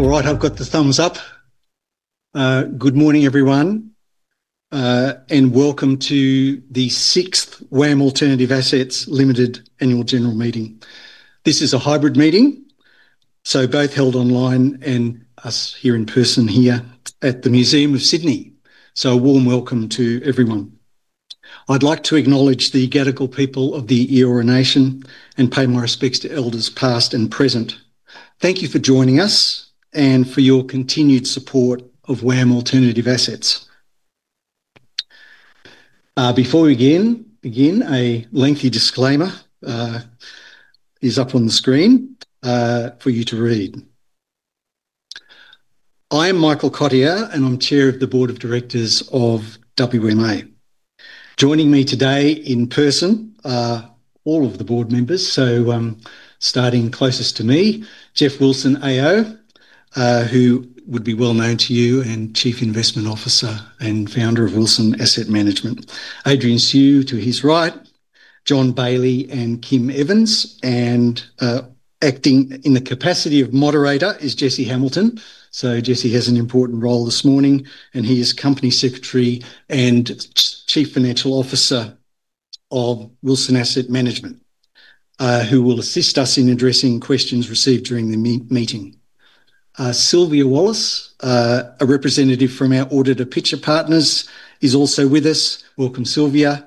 All right, I've got the thumbs up. Good morning, everyone, and welcome to the sixth WAM Alternative Assets Limited annual general meeting. This is a hybrid meeting, held both online and in person here at the Museum of Sydney. A warm welcome to everyone. I'd like to acknowledge the Gadigal people of the Eora Nation and pay my respects to elders past and present. Thank you for joining us and for your continued support of WAM Alternative Assets. Before we begin, a lengthy disclaimer is up on the screen for you to read. I am Michael Cottier, and I'm Chair of the Board of Directors of WMA. Joining me today in person are all of the board members. Starting closest to me, Geoff Wilson AO, who would be well known to you and Chief Investment Officer and Founder of Wilson Asset Management. Adrian Siew to his right, John Bailey, and Kim Evans. Acting in the capacity of moderator is Jesse Hamilton. Jesse has an important role this morning, and he is Company Secretary and Chief Financial Officer of Wilson Asset Management, who will assist us in addressing questions received during the meeting. Sylvia Wallace, a representative from our auditor Pitcher Partners, is also with us. Welcome, Sylvia.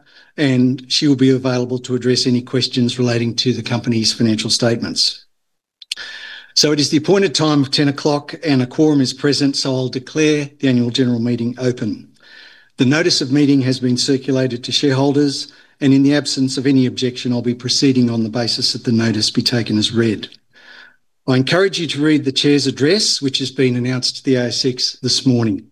She will be available to address any questions relating to the company's financial statements. It is the appointed time of 10:00 o'clock., and a quorum is present, so I'll declare the annual general meeting open. The notice of meeting has been circulated to shareholders, and in the absence of any objection, I'll be proceeding on the basis that the notice be taken as read. I encourage you to read the Chair's Address, which has been announced to the ASX this morning.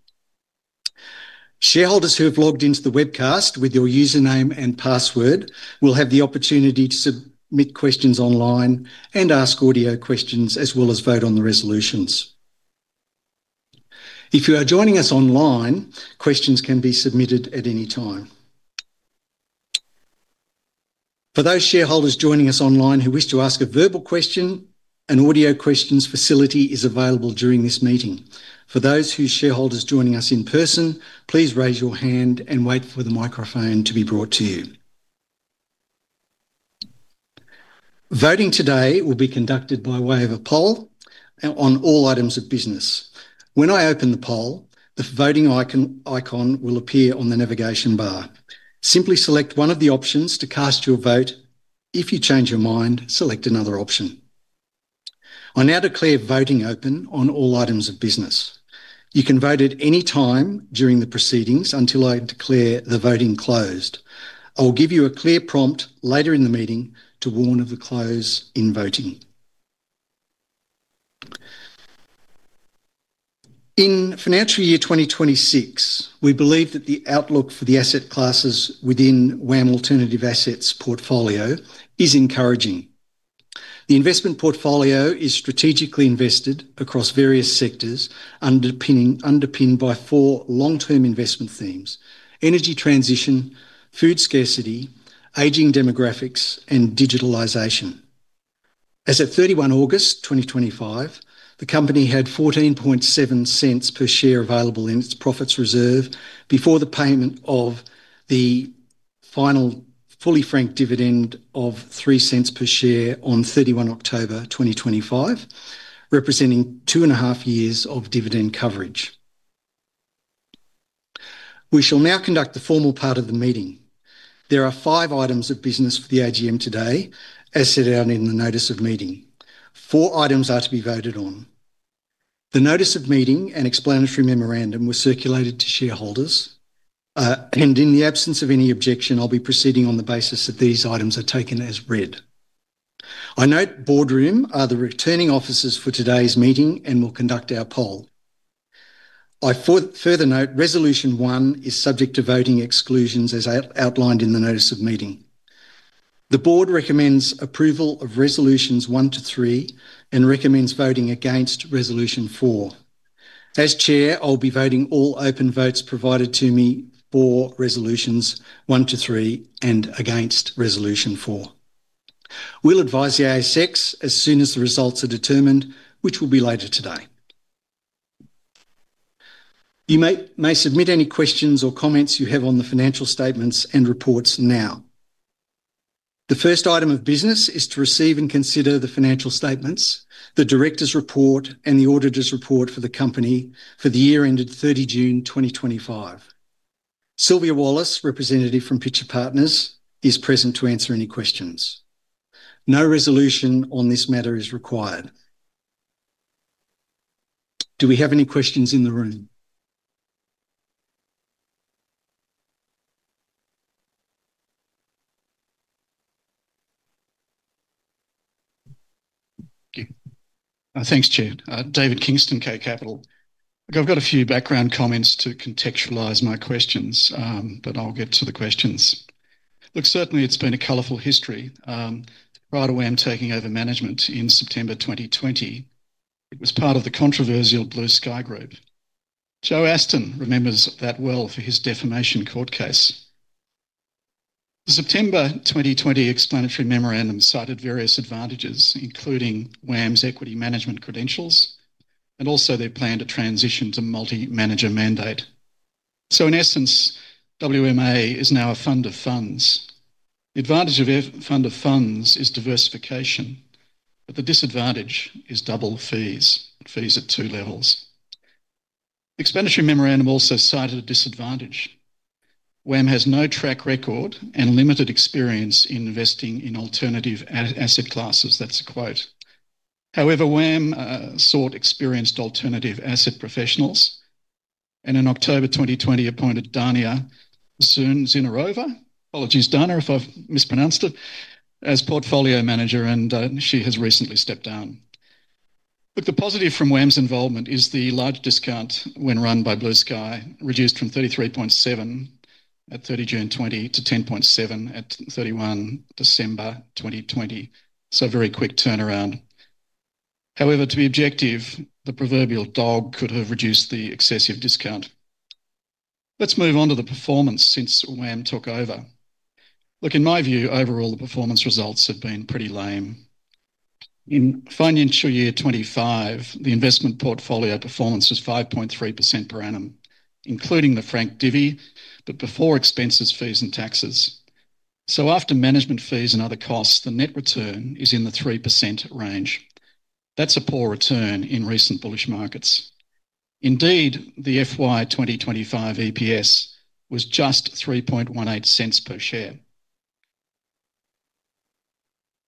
Shareholders who have logged into the webcast with your username and password will have the opportunity to submit questions online and ask audio questions, as well as vote on the resolutions. If you are joining us online, questions can be submitted at any time. For those shareholders joining us online who wish to ask a verbal question, an audio questions facility is available during this meeting. For those shareholders joining us in person, please raise your hand and wait for the microphone to be brought to you. Voting today will be conducted by way of a poll on all items of business. When I open the poll, the voting icon will appear on the navigation bar. Simply select one of the options to cast your vote. If you change your mind, select another option. I now declare voting open on all items of business. You can vote at any time during the proceedings until I declare the voting closed. I will give you a clear prompt later in the meeting to warn of the close in voting. In financial year 2026, we believe that the outlook for the asset classes within WAM Alternative Assets portfolio is encouraging. The investment portfolio is strategically invested across various sectors underpinned by four long-term investment themes: energy transition, food scarcity, aging demographics, and digitalization. As of 31 August 2025, the company had 0.147 per share available in its profits reserve before the payment of the final fully franked dividend of 0.03 per share on 31 October 2025, representing two and a half years of dividend coverage. We shall now conduct the formal part of the meeting. There are five items of business for the AGM today, as set out in the notice of meeting. Four items are to be voted on. The notice of meeting and explanatory memorandum were circulated to shareholders, and in the absence of any objection, I'll be proceeding on the basis that these items are taken as read. I note Boardroom are the returning officers for today's meeting and will conduct our poll. I further note Resolution 1 is subject to voting exclusions as outlined in the notice of meeting. The board recommends approval of Resolutions 1-3 and recommends voting against Resolution 4. As Chair, I'll be voting all open votes provided to me for Resolutions 1 -3 and against Resolution 4. We'll advise the ASX as soon as the results are determined, which will be later today. You may submit any questions or comments you have on the financial statements and reports now. The first item of business is to receive and consider the financial statements, the Directors' Report, and the Auditor's Report for the company for the year ended 30 June 2025. Sylvia Wallace, representative from Pitcher Partners, is present to answer any questions. No resolution on this matter is required. Do we have any questions in the room? Thanks, Chair. David Kingston, K Capital. I've got a few background comments to contextualize my questions, but I'll get to the questions. Certainly it's been a colorful history. Prior to WAM taking over management in September 2020, it was part of the controversial Blue Sky Group. Joe Aston remembers that well for his defamation court case. The September 2020 explanatory memorandum cited various advantages, including WAM's equity management credentials and also their plan to transition to a multi-manager mandate. In essence, WMA is now a fund of funds. The advantage of a fund of funds is diversification, but the disadvantage is double fees, fees at two levels. The explanatory memorandum also cited a disadvantage. WAM has no track record and limited experience in investing in alternative asset classes. That's a quote. However, WAM sought experienced alternative asset professionals and in October 2020 appointed Dania Zinurova, apologies Dania, if I've mispronounced it, as portfolio manager, and she has recently stepped down. The positive from WAM's involvement is the large discount when run by Blue Sky, reduced from 33.7% at 30 June 2020 to 10.7% at 31 December 2020. A very quick turnaround. To be objective, the proverbial dog could have reduced the excessive discount. Let's move on to the performance since WAM took over. In my view, overall the performance results have been pretty lame. In financial year 2025, the investment portfolio performance was 5.3% per annum, including the franked divi, but before expenses, fees, and taxes. After management fees and other costs, the net return is in the 3% range. That's a poor return in recent bullish markets. Indeed, the FY 2025 EPS was just 0.0318 per share.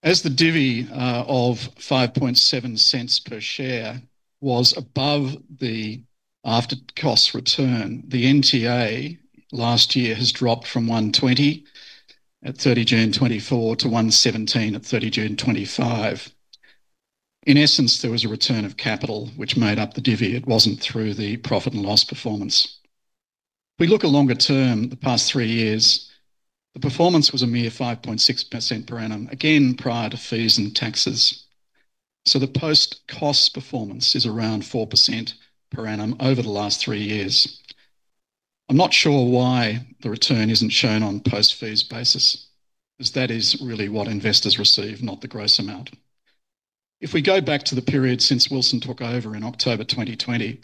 As the divi of 0.057 per share was above the after-cost return, the NTA last year has dropped from 1.20 at 30 June 2024 to 1.17 at 30 June 2025. In essence, there was a return of capital which made up the dividend. It wasn't through the profit and loss performance. Looking at the longer term, the past three years, the performance was a mere 5.6% per annum, again prior to fees and taxes. The post-cost performance is around 4% per annum over the last three years. I'm not sure why the return isn't shown on a post-fees basis, as that is really what investors receive, not the gross amount. If we go back to the period since Wilson took over in October 2020,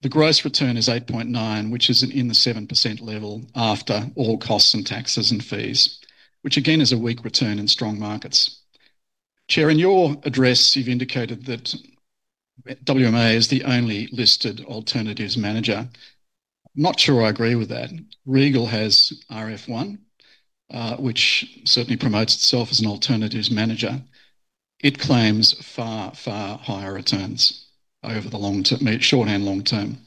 the gross return is 8.9, which is in the 7% level after all costs and taxes and fees, which again is a weak return in strong markets. Chair, in your address, you've indicated that WMA is the only listed alternatives manager. I'm not sure I agree with that. Regal has RF1, which certainly promotes itself as an alternatives manager. It claims far, far higher returns over the short and long-term.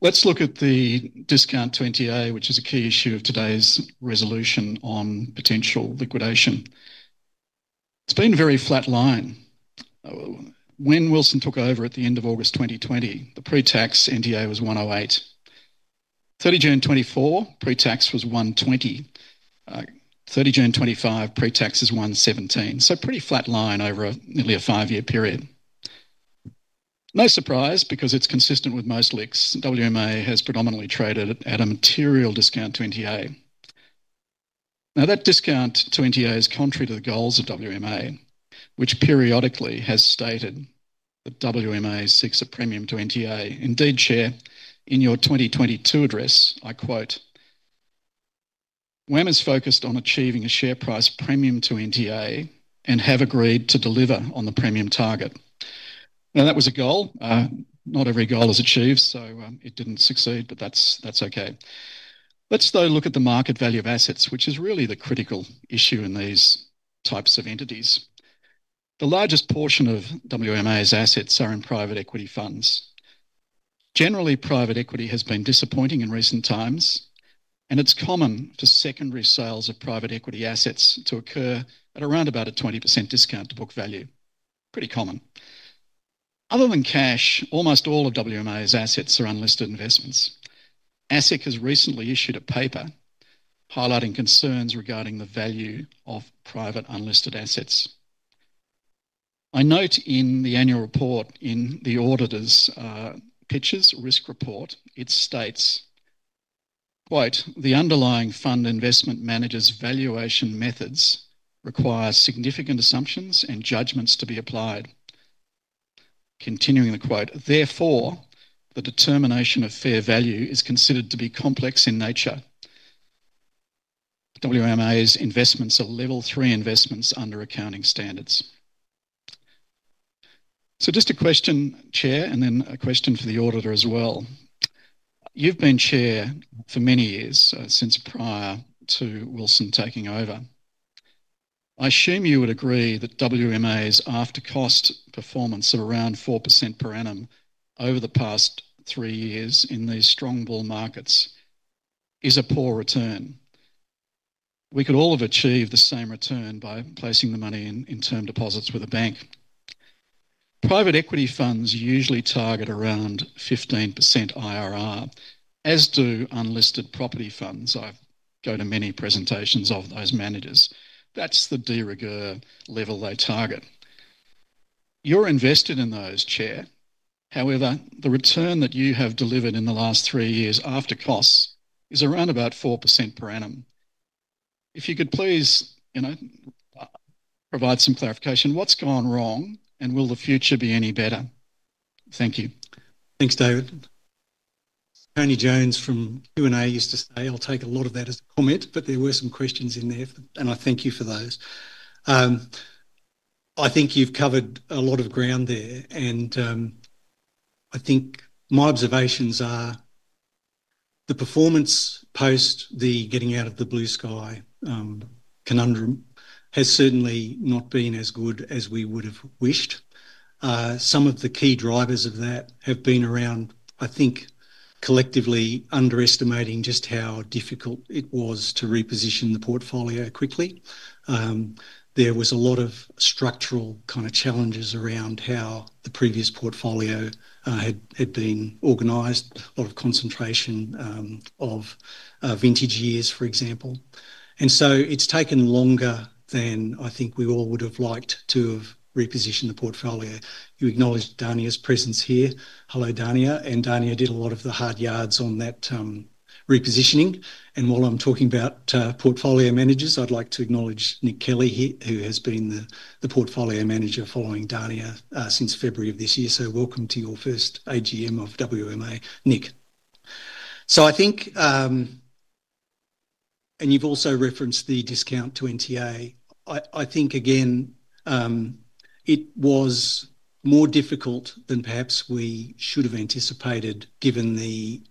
Let's look at the discount to NTA, which is a key issue of today's resolution on potential liquidation. It's been a very flat line. When Wilson took over at the end of August 2020, the pre-tax NTA was 1.08. 30 June 2024, pre-tax was 1.20. 30 June 2025, pre-tax is 1.17. A pretty flat line over nearly a five-year period. No surprise because it's consistent with most illiquids. WMA has predominantly traded at a material discount to NTA. That discount to NTA is contrary to the goals of WMA, which periodically has stated that WMA seeks a premium to NTA. Indeed, Chair, in your 2022 address, I quote, "WAM is focused on achieving a share price premium to NTA and have agreed to deliver on the premium target." That was a goal. Not every goal is achieved, so it didn't succeed, but that's okay. Let's look at the market value of assets, which is really the critical issue in these types of entities. The largest portion of WMA's assets are in private equity funds. Generally, private equity has been disappointing in recent times, and it's common for secondary sales of private equity assets to occur at around a 20% discount to book value. Pretty common. Other than cash, almost all of WMA's assets are unlisted investments. ASIC has recently issued a paper highlighting concerns regarding the value of private unlisted assets. I note in the annual report in the auditor's Pitcher's risk report, it states, quote, "The underlying fund investment managers' valuation methods require significant assumptions and judgments to be applied." Continuing the quote, "Therefore, the determination of fair value is considered to be complex in nature." WMA's investments are level three investments under accounting standards. Just a question, Chair, and then a question for the auditor as well. You've been Chair for many years since prior to Wilson taking over. I assume you would agree that WMA's after-cost performance of around 4% per annum over the past three years in these strong bull markets is a poor return. We could all have achieved the same return by placing the money in term deposits with a bank. Private equity funds usually target around 15% IRR, as do unlisted property funds. I go to many presentations of those managers. That's the de rigueur level they target. You're invested in those, Chair. However, the return that you have delivered in the last three years after costs is around about 4% per annum. If you could please provide some clarification. What's gone wrong and will the future be any better? Thank you. Thanks, David. Tony Jones from Q&A used to say, "I'll take a lot of that as a comment," but there were some questions in there, and I thank you for those. I think you've covered a lot of ground there, and I think my observations are the performance post the getting out of the Blue Sky conundrum has certainly not been as good as we would have wished. Some of the key drivers of that have been around, I think, collectively underestimating just how difficult it was to reposition the portfolio quickly. There were a lot of structural kind of challenges around how the previous portfolio had been organized, a lot of concentration of vintage years, for example. It's taken longer than I think we all would have liked to have repositioned the portfolio. You acknowledged Dania's presence here. Hello, Dania. Dania did a lot of the hard yards on that repositioning. While I'm talking about portfolio managers, I'd like to acknowledge Nick Kelly, who has been the portfolio manager following Dania since February of this year. Welcome to your first AGM of WMA, Nick. I think, and you've also referenced the discount to NTA, I think, again, it was more difficult than perhaps we should have anticipated given the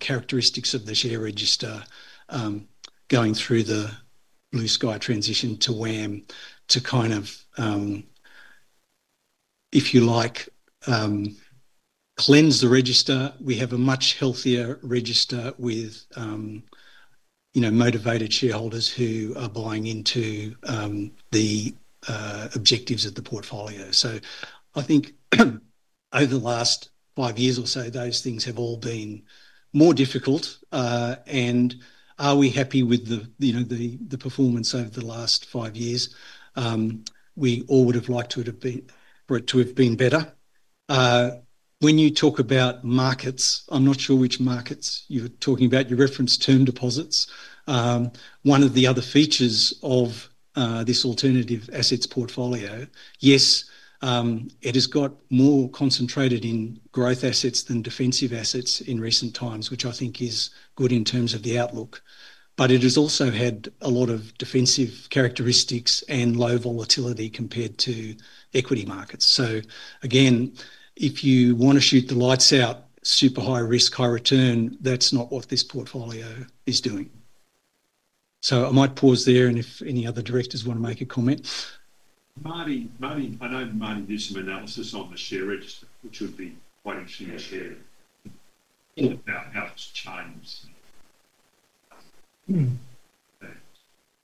characteristics of the shareholder register going through the Blue Sky transition to WAM to, if you like, cleanse the register. We have a much healthier register with motivated shareholders who are buying into the objectives of the portfolio. Over the last five years or so, those things have all been more difficult. Are we happy with the performance over the last five years? We all would have liked to have been better. When you talk about markets, I'm not sure which markets you're talking about. You referenced term deposits. One of the other features of this alternative assets portfolio, yes, it has got more concentrated in growth assets than defensive assets in recent times, which I think is good in terms of the outlook. It has also had a lot of defensive characteristics and low volatility compared to equity markets. If you want to shoot the lights out, super high risk, high return, that's not what this portfolio is doing. I might pause there, and if any other directors want to make a comment. Martin, I know that Martin did some analysis on the shareholder register, which would be quite interesting to share about how it's changed.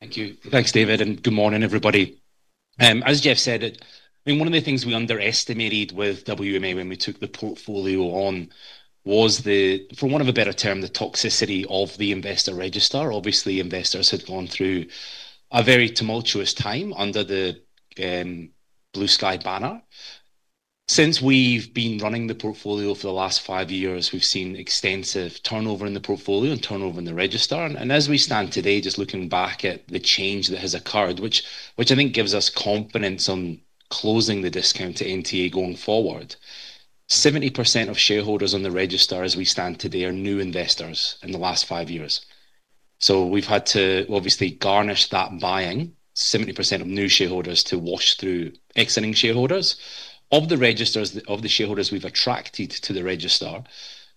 Thank you. Thanks, David, and good morning, everybody. As Geoff said, I think one of the things we underestimated with WMA when we took the portfolio on was the, for want of a better term, the toxicity of the investor register. Obviously, investors had gone through a very tumultuous time under the Blue Sky banner. Since we've been running the portfolio for the last five years, we've seen extensive turnover in the portfolio and turnover in the register. As we stand today, just looking back at the change that has occurred, which I think gives us confidence on closing the discount to NTA going forward, 70% of shareholders on the register, as we stand today, are new investors in the last five years. We've had to obviously garnish that buying, 70% of new shareholders to wash through exiting shareholders. Of the shareholders we've attracted to the register,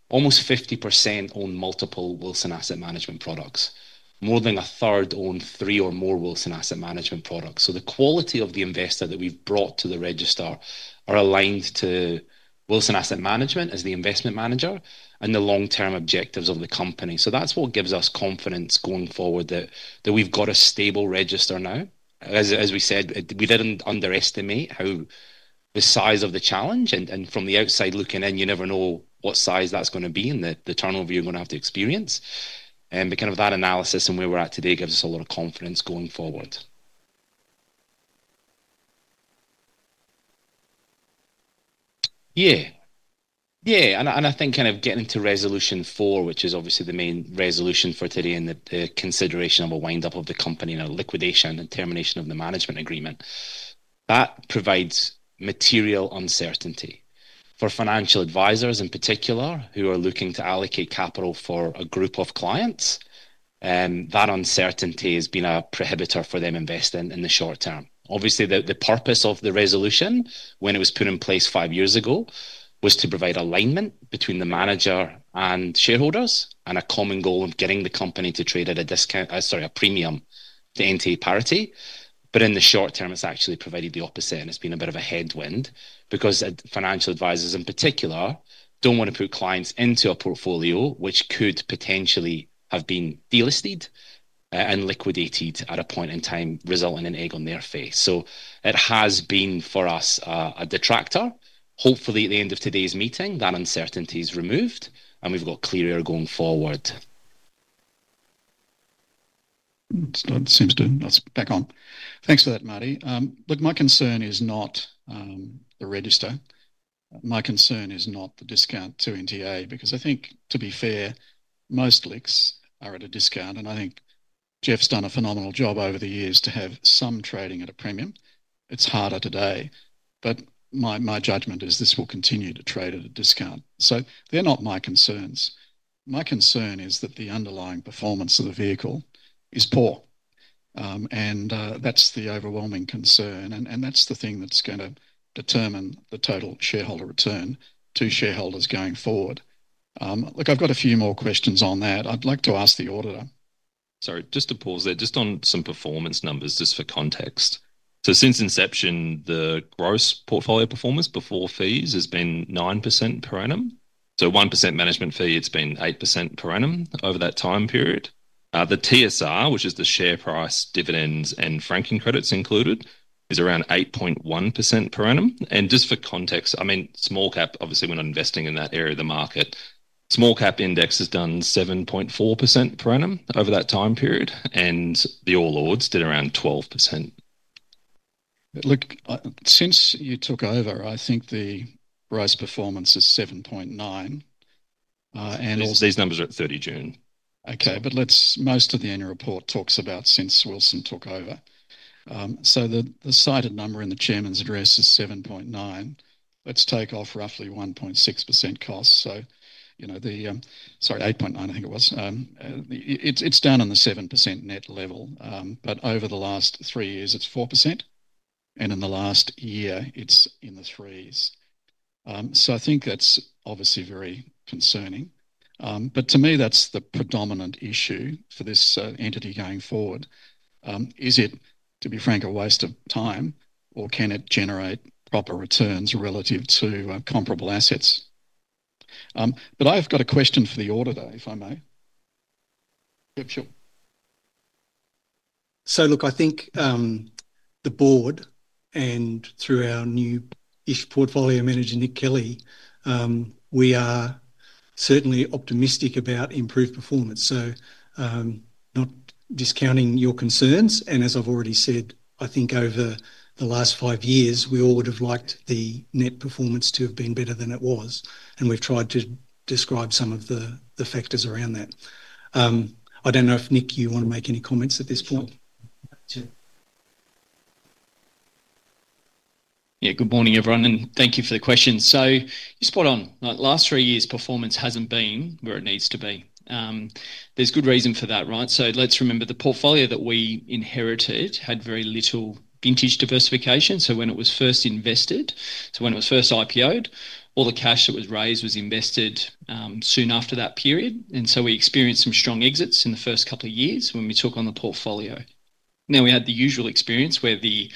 almost 50% own multiple Wilson Asset Management products. More than 1/3 own three or more Wilson Asset Management products. The quality of the investor that we've brought to the register are aligned to Wilson Asset Management as the investment manager and the long-term objectives of the company. That's what gives us confidence going forward, that we've got a stable register now. As we said, we didn't underestimate the size of the challenge, and from the outside looking in, you never know what size that's going to be and the turnover you're going to have to experience. Because of that analysis and where we're at today, it gives us a lot of confidence going forward. Yeah. Yeah, and I think kind of getting to resolution four, which is obviously the Mayne resolution for today and the consideration of a wind-up of the company and a liquidation and termination of the investment management agreement, that provides material uncertainty for financial advisors in particular who are looking to allocate capital for a group of clients. That uncertainty has been a prohibitor for them investing in the short term. Obviously, the purpose of the resolution when it was put in place five years ago was to provide alignment between the manager and shareholders and a common goal of getting the company to trade at a discount, sorry, a premium to NTA parity. In the short term, it's actually provided the opposite, and it's been a bit of a headwind because financial advisors in particular don't want to put clients into a portfolio which could potentially have been delisted and liquidated at a point in time, resulting in an egg on their face. It has been for us a detractor. Hopefully, at the end of today's meeting, that uncertainty is removed and we've got clear air going forward. That's good. That's back on. Thanks for that, Marty. Look, my concern is not the register. My concern is not the discount to NTA because I think, to be fair, most LICs are at a discount, and I think Geoff's done a phenomenal job over the years to have some trading at a premium. It's harder today. My judgment is this will continue to trade at a discount. They're not my concerns. My concern is that the underlying performance of the vehicle is poor, and that's the overwhelming concern, and that's the thing that's going to determine the total shareholder return to shareholders going forward. I've got a few more questions on that. I'd like to ask the auditor. Sorry, just to pause there, just on some performance numbers, just for context. Since inception, the gross portfolio performance before fees has been 9% per annum. With a 1% management fee, it's been 8% per annum over that time period. The TSR, which is the share price, dividends, and franking credits included, is around 8.1% per annum. Just for context, small cap, obviously, we're not investing in that area of the market. The small cap index has done 7.4% per annum over that time period, and the All Ords did around 12%. Look, since you took over, I think the gross performance is 7.9%. These numbers are at 30 June. Okay, but most of the annual report talks about since Wilson took over. The cited number in the Chairman's address is 7.9%. Let's take off roughly 1.6% cost. Sorry, 8.9%, I think it was. It's down on the 7% net level, but over the last three years, it's 4%, and in the last year, it's in the threes. I think that's obviously very concerning. To me, that's the predominant issue for this entity going forward. Is it, to be frank, a waste of time, or can it generate proper returns relative to comparable assets? I've got a question for the auditor, if I may. Sure. I think the Board and through our new portfolio manager, Nick Kelly, we are certainly optimistic about improved performance. Not discounting your concerns, and as I've already said, I think over the last five years, we all would have liked the net performance to have been better than it was, and we've tried to describe some of the factors around that. I don't know if Nick, you want to make any comments at this point? Yeah, good morning everyone, and thank you for the question. You're spot on. Like, last three years, performance hasn't been where it needs to be. There's good reason for that, right? Let's remember the portfolio that we inherited had very little vintage diversification. When it was first invested, when it was first IPO'ed, all the cash that was raised was invested soon after that period. We experienced some strong exits in the first couple of years when we took on the portfolio. We had the usual experience where the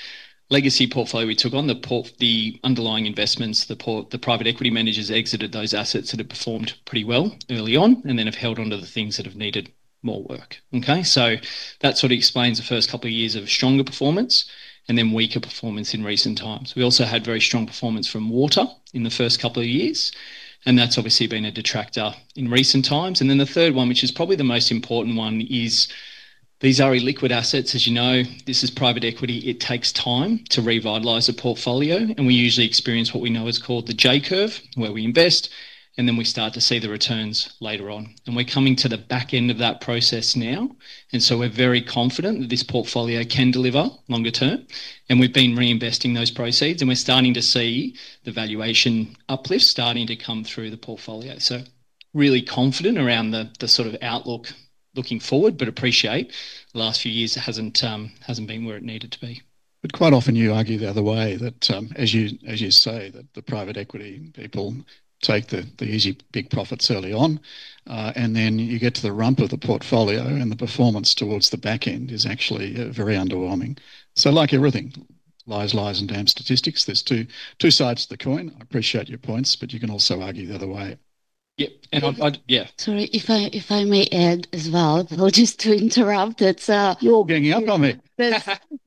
legacy portfolio we took on, the underlying investments, the private equity managers exited those assets that had performed pretty well early on and then have held onto the things that have needed more work. That sort of explains the first couple of years of stronger performance and then weaker performance in recent times. We also had very strong performance from water in the first couple of years, and that's obviously been a detractor in recent times. The third one, which is probably the most important one, is these are illiquid assets. As you know, this is private equity. It takes time to revitalize a portfolio, and we usually experience what we know is called the J-curve where we invest, and then we start to see the returns later on. We're coming to the back end of that process now, and we're very confident that this portfolio can deliver longer term, and we've been reinvesting those proceeds, and we're starting to see the valuation uplift starting to come through the portfolio. Really confident around the sort of outlook looking forward, but appreciate the last few years hasn't been where it needed to be. Quite often you argue the other way that, as you say, the private equity people take the easy big profits early on, and then you get to the rump of the portfolio and the performance towards the back end is actually very underwhelming. Like everything, lies, lies, and damn statistics. There are two sides to the coin. I appreciate your points, but you can also argue the other way. Yeah, I've, yeah. Sorry, if I may add as well. Apologies to interrupt. You're all ganging up on me.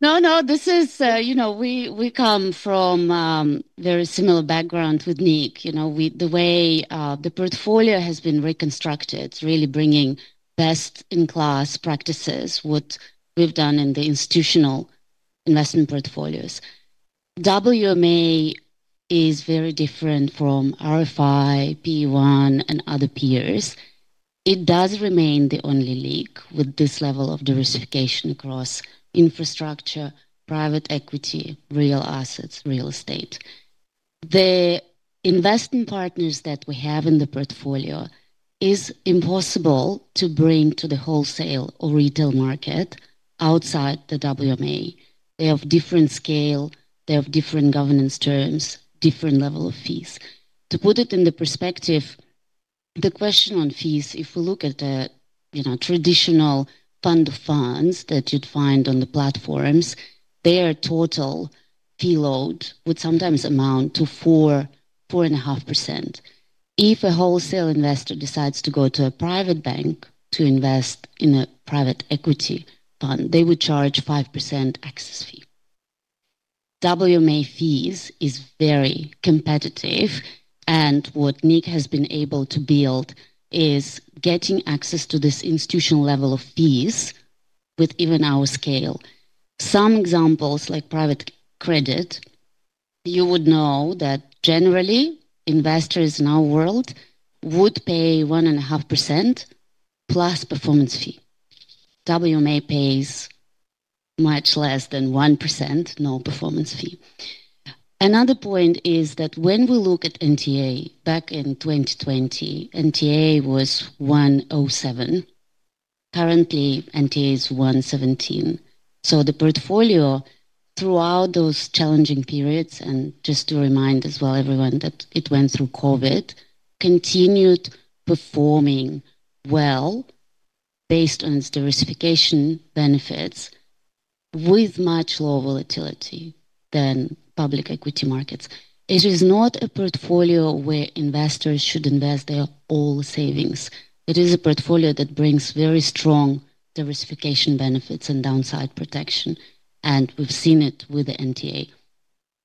No, no, this is, you know, we come from a very similar background with Nick. You know, the way the portfolio has been reconstructed, really bringing best-in-class practices, what we've done in the institutional investment portfolios. WMA is very different from RF1, P1, and other peers. It does remain the only league with this level of diversification across infrastructure, private equity, real assets, real estate. The investment partners that we have in the portfolio are impossible to bring to the wholesale or retail market outside the WMA. They have different scale, they have different governance terms, different level of fees. To put it in the perspective, the question on fees, if we look at the traditional fund of funds that you'd find on the platforms, their total fee load would sometimes amount to 4%-4.5%. If a wholesale investor decides to go to a private bank to invest in a private equity fund, they would charge a 5% access fee. WMA fees are very competitive, and what Nick has been able to build is getting access to this institutional level of fees with even our scale. Some examples like private credit, you would know that generally investors in our world would pay 1.5% plus performance fee. WMA pays much less than 1%, no performance fee. Another point is that when we look at NTA back in 2020, NTA was 1.07. Currently, NTA is 1.17. The portfolio throughout those challenging periods, and just to remind as well everyone that it went through COVID, continued performing well based on its diversification benefits with much lower volatility than public equity markets. It is not a portfolio where investors should invest their all savings. It is a portfolio that brings very strong diversification benefits and downside protection, and we've seen it with the NTA.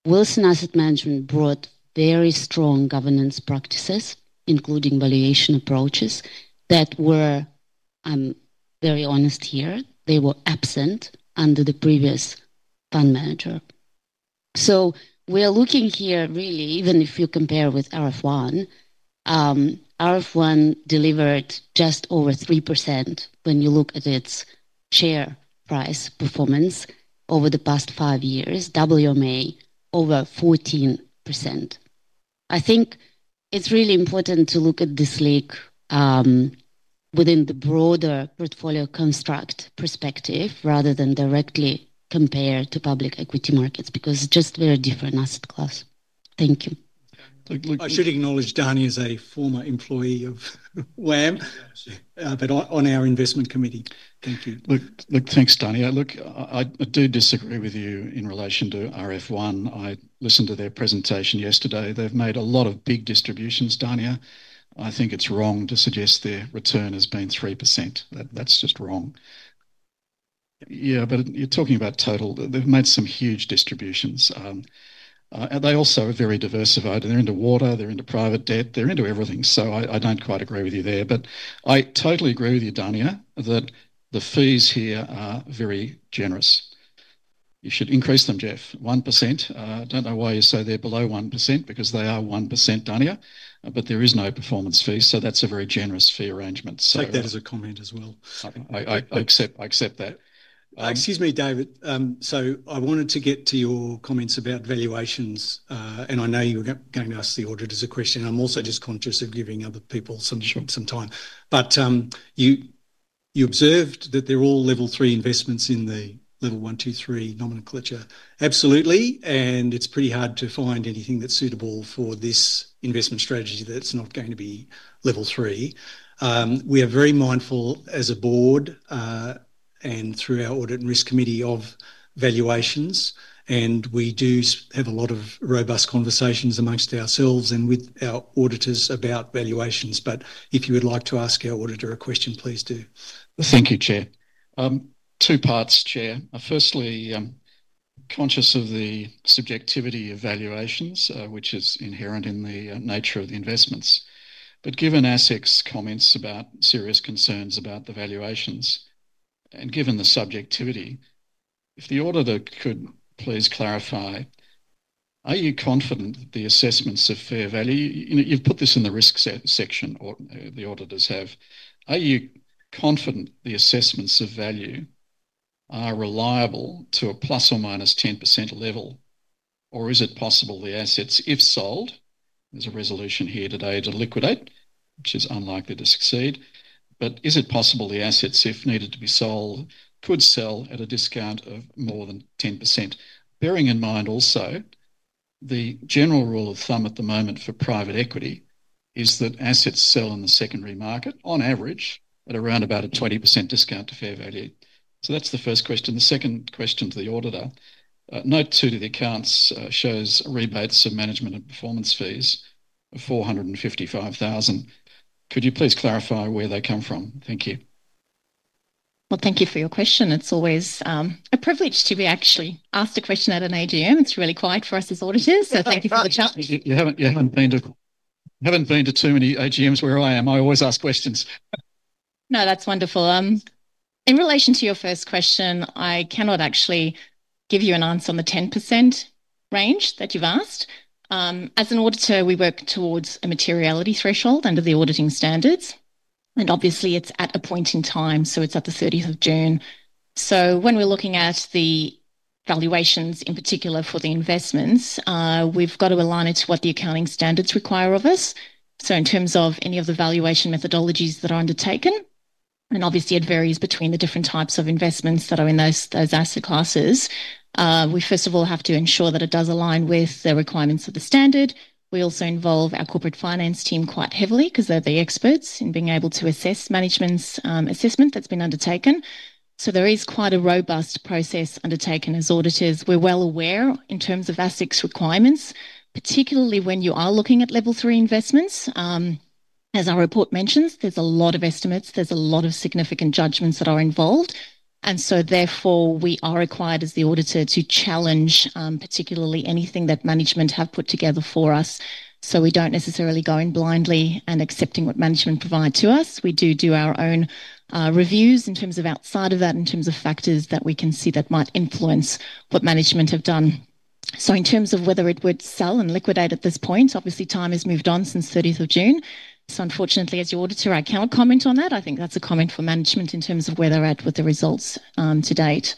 Wilson Asset Management brought very strong governance practices, including valuation approaches that were, I'm very honest here, they were absent under the previous fund manager. We are looking here really, even if you compare with RF1, RF1 delivered just over 3% when you look at its share price performance over the past five years, WMA over 14%. I think it's really important to look at this league within the broader portfolio construct perspective rather than directly compare to public equity markets because it's just a very different asset class. Thank you. I should acknowledge Dania is a former employee of WAM, but on our Investment Committee. Thank you. Thanks, Dania. I do disagree with you in relation to RF1. I listened to their presentation yesterday. They've made a lot of big distributions, Dania. I think it's wrong to suggest their return has been 3%. That's just wrong. You're talking about total. They've made some huge distributions. They also are very diversified. They're into water, they're into private debt, they're into everything. I don't quite agree with you there, but I totally agree with you, Dania, that the fees here are very generous. You should increase them, Geoff, 1%. I don't know why you say they're below 1% because they are 1%, Dania, but there is no performance fee. That's a very generous fee arrangement. Take that as a comment as well. I accept that. Excuse me, David. I wanted to get to your comments about valuations, and I know you were going to ask the auditors a question. I'm also just conscious of giving other people some time. You observed that they're all level three investments in the level one, two, three nomenclature. Absolutely. It's pretty hard to find anything that's suitable for this investment strategy that's not going to be level three. We are very mindful as a board and through our Audit and Risk Committee of valuations, and we do have a lot of robust conversations amongst ourselves and with our auditors about valuations. If you would like to ask our auditor a question, please do. Thank you, Chair. Two parts, Chair. Firstly, I'm conscious of the subjectivity of valuations, which is inherent in the nature of the investments. Given ASIC's comments about serious concerns about the valuations and given the subjectivity, if the auditor could please clarify, are you confident that the assessments of fair value, you've put this in the risk section, or the auditors have, are you confident the assessments of value are reliable to a ±10% level, or is it possible the assets, if sold, there's a resolution here today to liquidate, which is unlikely to succeed, but is it possible the assets, if needed to be sold, could sell at a discount of more than 10%? Bearing in mind also the general rule of thumb at the moment for private equity is that assets sell in the secondary market on average at around a 20% discount to fair value. That's the first question. The second question to the auditor, note to the accounts shows rebates of management and performance fees of 455,000. Could you please clarify where they come from? Thank you. Thank you for your question. It's always a privilege to be actually asked a question at an AGM. It's really quiet for us as auditors, so thank you for the chance. You haven't been to too many AGMs where I am. I always ask questions. No, that's wonderful. In relation to your first question, I cannot actually give you an answer on the 10% range that you've asked. As an auditor, we work towards a materiality threshold under the auditing standards, and obviously it's at the point in time, so it's at the 30th of June. When we're looking at the valuations in particular for the investments, we've got to align it to what the accounting standards require of us. In terms of any of the valuation methodologies that are undertaken, and obviously it varies between the different types of investments that are in those asset classes, we first of all have to ensure that it does align with the requirements of the standard. We also involve our corporate finance team quite heavily because they're the experts in being able to assess management's assessment that's been undertaken. There is quite a robust process undertaken as auditors. We're well aware in terms of ASIC's requirements, particularly when you are looking at level three investments. As our report mentions, there's a lot of estimates, there's a lot of significant judgments that are involved, and therefore we are required as the auditor to challenge particularly anything that management have put together for us. We don't necessarily go in blindly and accept what management provides to us. We do do our own reviews in terms of outside of that, in terms of factors that we can see that might influence what management have done. In terms of whether it would sell and liquidate at this point, obviously time has moved on since 30th of June. Unfortunately, as your auditor, I cannot comment on that. I think that's a comment for management in terms of where they're at with the results to date.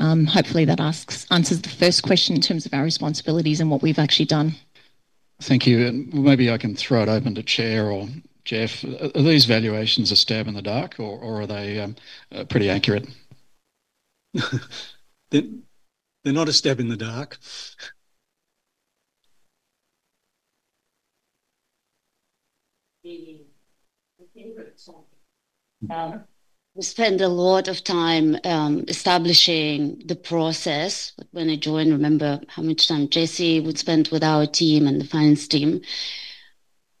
Hopefully, that answers the first question in terms of our responsibilities and what we've actually done. Thank you. Maybe I can throw it open to the Chair or Geoff. Are these valuations a stab in the dark, or are they pretty accurate? They're not a stab in the dark. We spend a lot of time establishing the process. When I joined, remember how much time Jesse would spend with our team and the finance team.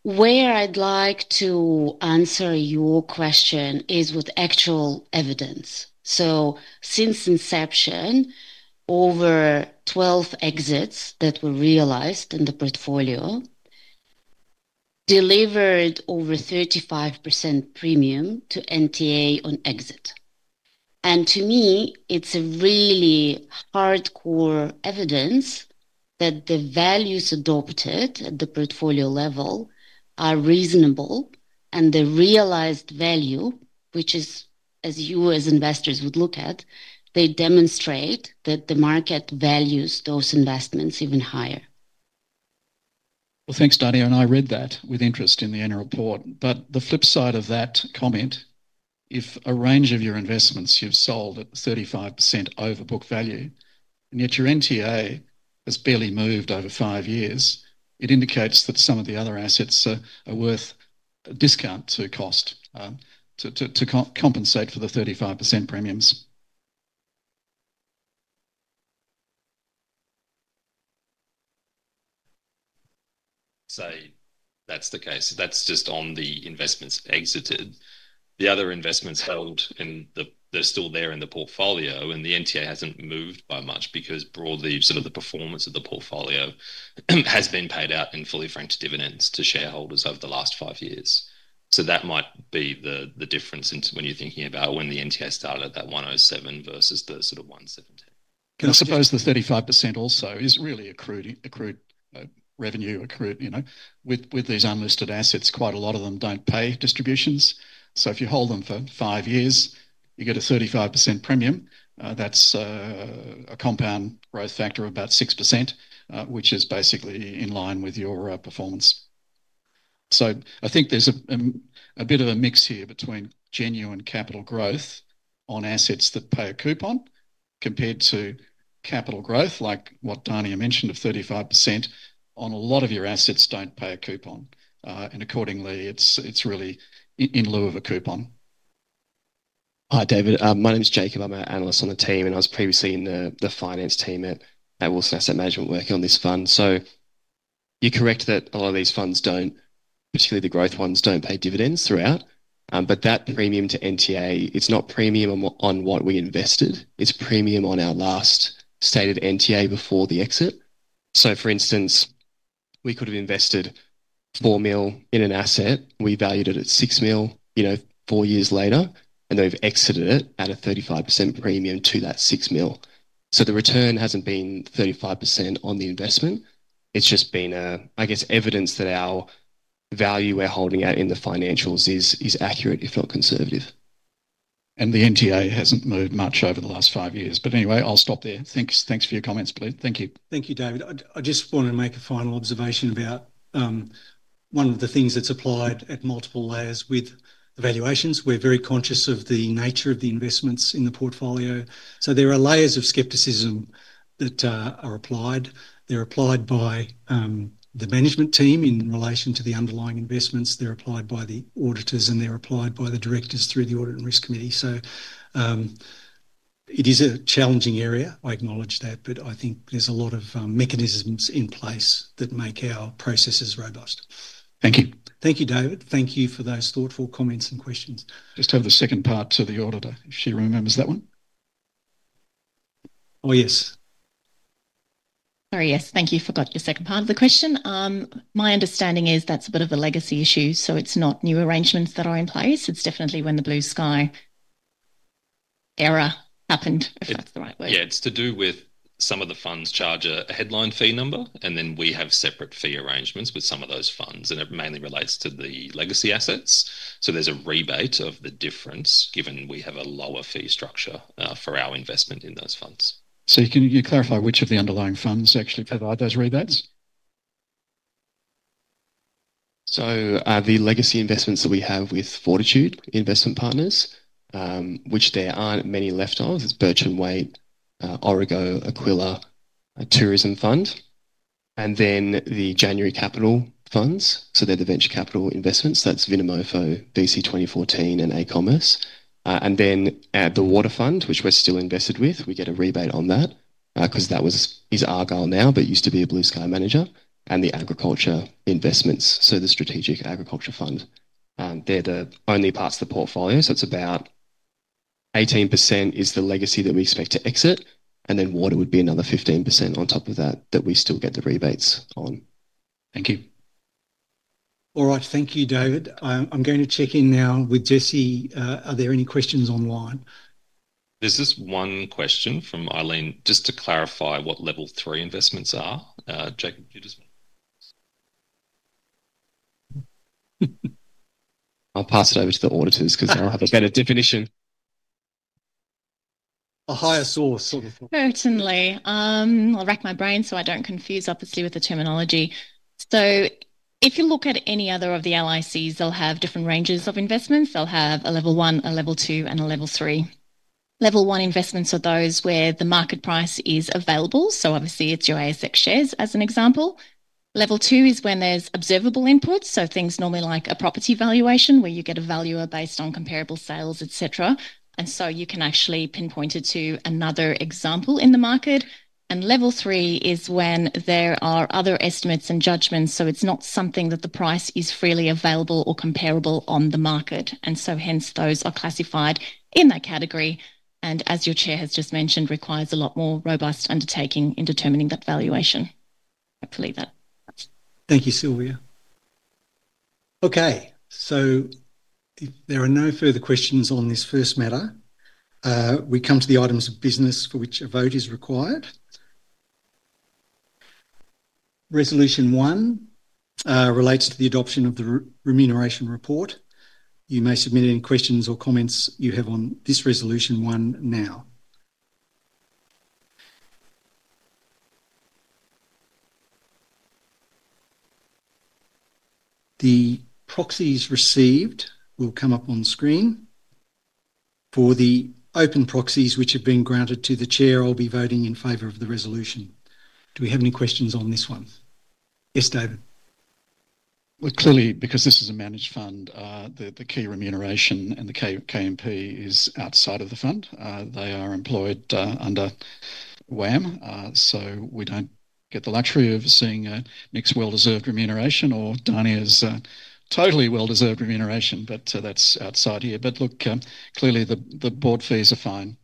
Where I'd like to answer your question is with actual evidence. Since inception, over 12 exits that were realized in the portfolio delivered over 35% premium to NTA on exit. To me, it's really hardcore evidence that the values adopted at the portfolio level are reasonable and the realized value, which is, as you as investors would look at, demonstrates that the market values those investments even higher. Thanks, Dania, and I read that with interest in the annual report. The flip side of that comment, if a range of your investments you've sold at the 35% overbooked value, and yet your NTA has barely moved over five years, it indicates that some of the other assets are worth a discount to cost to compensate for the 35% premiums. That's the case. That's just on the investments exited. The other investments held, and they're still there in the portfolio, and the NTA hasn't moved by much because, broadly, the performance of the portfolio has been paid out in fully franked dividends to shareholders over the last five years. That might be the difference when you're thinking about when the NTA started at 1.07 versus the 1.17. I suppose the 35% also is really accrued revenue, accrued, you know, with these unlisted assets. Quite a lot of them don't pay distributions. If you hold them for five years, you get a 35% premium. That's a compound growth factor of about 6%, which is basically in line with your performance. I think there's a bit of a mix here between genuine capital growth on assets that pay a coupon compared to capital growth, like what Dania mentioned of 35% on a lot of your assets that don't pay a coupon. Accordingly, it's really in lieu of a coupon. Hi, David. My name is Jacob. I'm an analyst on the team, and I was previously in the finance team at Wilson Asset Management working on this fund. You're correct that a lot of these funds, particularly the growth ones, don't pay dividends throughout, but that premium to NTA, it's not premium on what we invested. It's premium on our last stated NTA before the exit. For instance, we could have invested 4 million in an asset. We valued it at 6 million four years later, and they've exited it at a 35% premium to that 6 million. The return hasn't been 35% on the investment. It's just been, I guess, evidence that our value we're holding out in the financials is accurate, if not conservative. The NTA hasn't moved much over the last five years. I'll stop there. Thanks for your comments, Billy. Thank you. Thank you, David. I just want to make a final observation about one of the things that's applied at multiple layers with evaluations. We're very conscious of the nature of the investments in the portfolio. There are layers of skepticism that are applied. They're applied by the management team in relation to the underlying investments, by the auditors, and by the directors through the Audit and Risk Committee. It is a challenging area. I acknowledge that, but I think there's a lot of mechanisms in place that make our processes robust. Thank you. Thank you, David. Thank you for those thoughtful comments and questions. Just have the second part to the auditor, if she remembers that one. Oh, yes. Sorry, yes. Thank you. Forgot your second part of the question. My understanding is that's a bit of a legacy issue. It's not new arrangements that are in place. It's definitely when the Blue Sky era happened, if that's the right word. It's to do with some of the funds charge a headline fee number, and then we have separate fee arrangements with some of those funds. It mainly relates to the legacy assets. There's a rebate of the difference given we have a lower fee structure for our investment in those funds. Can you clarify which of the underlying funds actually provide those rebates? The legacy investments that we have with Fortitude Investment Partners, which there aren't many left of, it's Birch & Waite, Orego, Aquila, a Tourism Fund, and then the January Capital funds. They're the venture capital investments. That's Vinomofo, BC 2014, and A Commerce. At the Water Fund, which we're still invested with, we get a rebate on that because that is our goal now, but it used to be a Blue Sky manager, and the Agriculture Investments, so the Strategic Agriculture Fund. They're the only parts of the portfolio. It's about 18% is the legacy that we expect to exit, and then water would be another 15% on top of that that we still get the rebates on. Thank you. All right, thank you, David. I'm going to check in now with Jesse. Are there any questions online? There's this one question from Eileen, just to clarify what level three investments are. I'll pass it over to the auditors because they'll have a better definition. A higher source, sort of. Personally, I'll wrap my brain so I don't confuse obviously with the terminology. If you look at any other of the LICs, they'll have different ranges of investments. They'll have a level one, a level two, and a level three. Level one investments are those where the market price is available. Obviously, it's your ASX shares as an example. Level two is when there's observable inputs, things normally like a property valuation where you get a value based on comparable sales, etc. You can actually pinpoint it to another example in the market. Level three is when there are other estimates and judgments, so it's not something that the price is freely available or comparable on the market. Hence, those are classified in that category. As your Chair has just mentioned, it requires a lot more robust undertaking in determining that valuation. Thank you, Sylvia. Okay, there are no further questions on this first matter. We come to the items of business for which a vote is required. Resolution one relates to the adoption of the remuneration report. You may submit any questions or comments you have on this resolution one now. The proxies received will come up on screen. For the open proxies which have been granted to the Chair, I'll be voting in favor of the resolution. Do we have any questions on this one? Yes, David. Clearly, because this is a managed fund, the key remuneration and the KMP is outside of the fund. They are employed under Wilson Asset Management, so we don't get the luxury of seeing a mixed well-deserved remuneration or Dania's totally well-deserved remuneration, but that's outside here. Look, clearly the board fees are fine.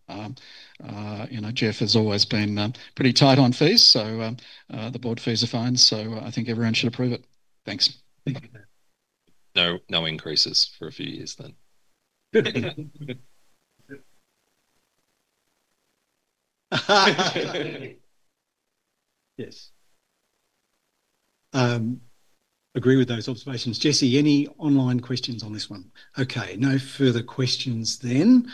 You know, Geoff has always been pretty tight on fees, so the board fees are fine. I think everyone should approve it. Thanks. Thank you. No, no increases for a few years then. Yes. Agree with those observations. Jesse, any online questions on this one? Okay, no further questions then.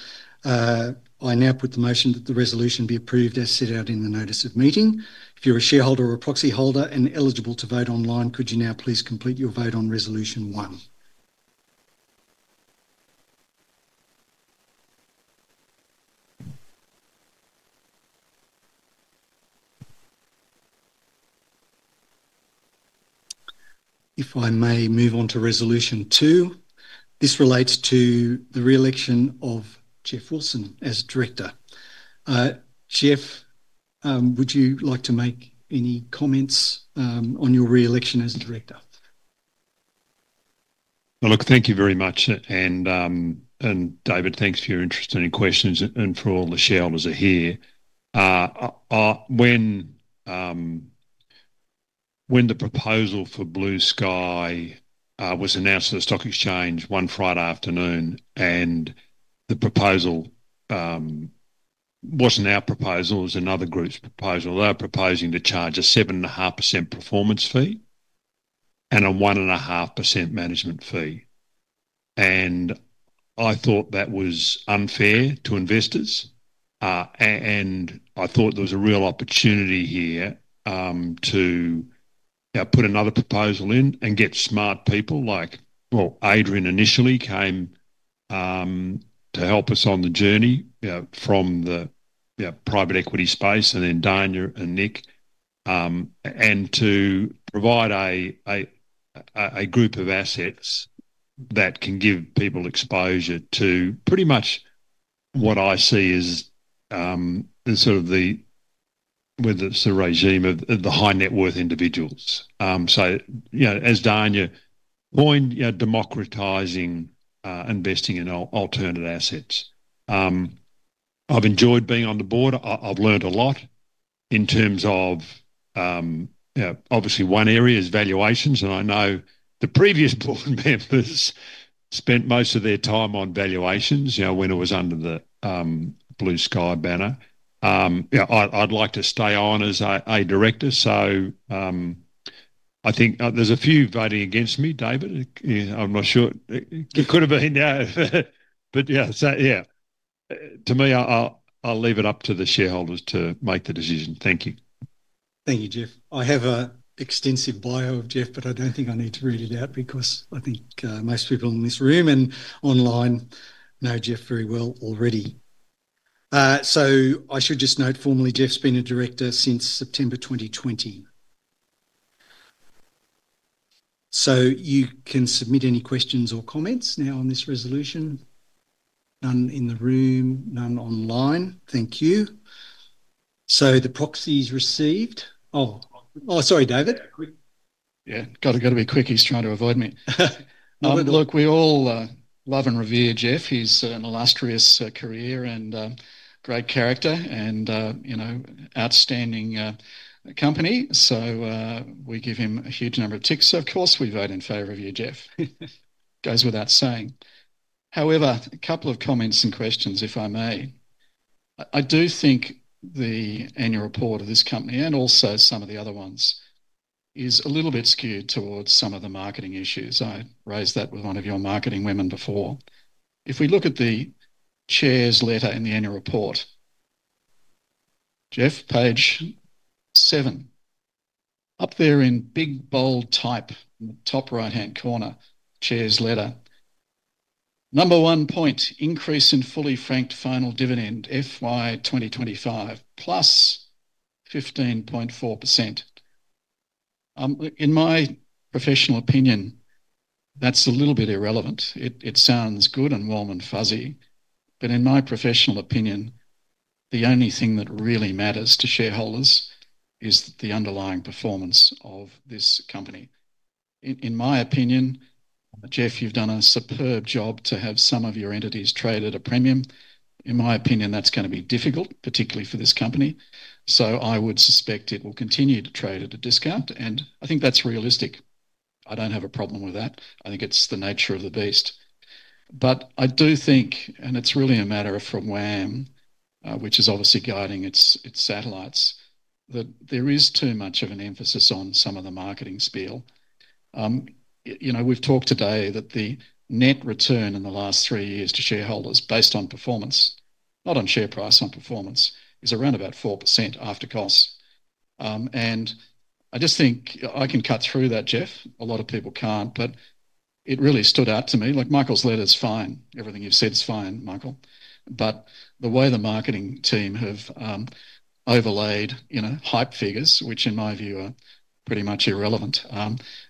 I now put the motion that the resolution be approved as set out in the notice of meeting. If you're a shareholder or a proxy holder and eligible to vote online, could you now please complete your vote on resolution one? If I may move on to resolution two, this relates to the reelection of Geoff Wilson as Director. Geoff, would you like to make any comments on your reelection as a Director? Thank you very much. David, thanks for your interest and any questions, and for all the shareholders who are here. When the proposal for Blue Sky was announced at the stock exchange one Friday afternoon, the proposal wasn't our proposal, it was another group's proposal. They were proposing to charge a 7.5% performance fee and a 1.5% management fee. I thought that was unfair to investors. I thought there was a real opportunity here to put another proposal in and get smart people like, well, Adrian initially came to help us on the journey from the private equity space and then Dania and Nick, and to provide a group of assets that can give people exposure to pretty much what I see as the sort of, whether it's the regime of the high net worth individuals. As Dania pointed, democratizing investing in alternative assets. I've enjoyed being on the board. I've learned a lot in terms of, obviously one area is valuations, and I know the previous board members spent most of their time on valuations when it was under the Blue Sky banner. I'd like to stay on as a director. I think there's a few voting against me, David. I'm not sure. It could have been, yeah. To me, I'll leave it up to the shareholders to make the decision. Thank you. Thank you, Geoff. I have an extensive bio of Geoff, but I don't think I need to read it out because I think most people in this room and online know Geoff very well already. I should just note formally, Geoff's been a director since September 2020. You can submit any questions or comments now on this resolution. None in the room, none online. Thank you. The proxies received. Oh, sorry, David. Yeah, got to be quick. He's trying to avoid me. Look, we all love and revere Geoff. He has an illustrious career and great character and, you know, outstanding company. We give him a huge number of ticks. Of course, we vote in favor of you, Geoff. Goes without saying. However, a couple of comments and questions, if I may. I do think the annual report of this company and also some of the other ones is a little bit skewed towards some of the marketing issues. I raised that with one of your marketing women before. If we look at the Chair's letter in the annual report, Geoff, page seven, up there in big, bold type, top right-hand corner, Chair's letter. Number one point, increase in fully franked final dividend, FY 2025, +15.4%. In my professional opinion, that's a little bit irrelevant. It sounds good and warm and fuzzy, but in my professional opinion, the only thing that really matters to shareholders is the underlying performance of this company. In my opinion, Geoff, you've done a superb job to have some of your entities trade at a premium. In my opinion, that's going to be difficult, particularly for this company. I would suspect it will continue to trade at a discount, and I think that's realistic. I don't have a problem with that. I think it's the nature of the beast. I do think, and it's really a matter of from WAM, which is obviously guiding its satellites, that there is too much of an emphasis on some of the marketing spiel. We've talked today that the net return in the last three years to shareholders, based on performance, not on share price, on performance, is around about 4% after cost. I just think I can cut through that, Geoff. A lot of people can't, but it really stood out to me. Michael's letter is fine. Everything you've said is fine, Michael. The way the marketing team have overlaid, you know, hype figures, which in my view are pretty much irrelevant,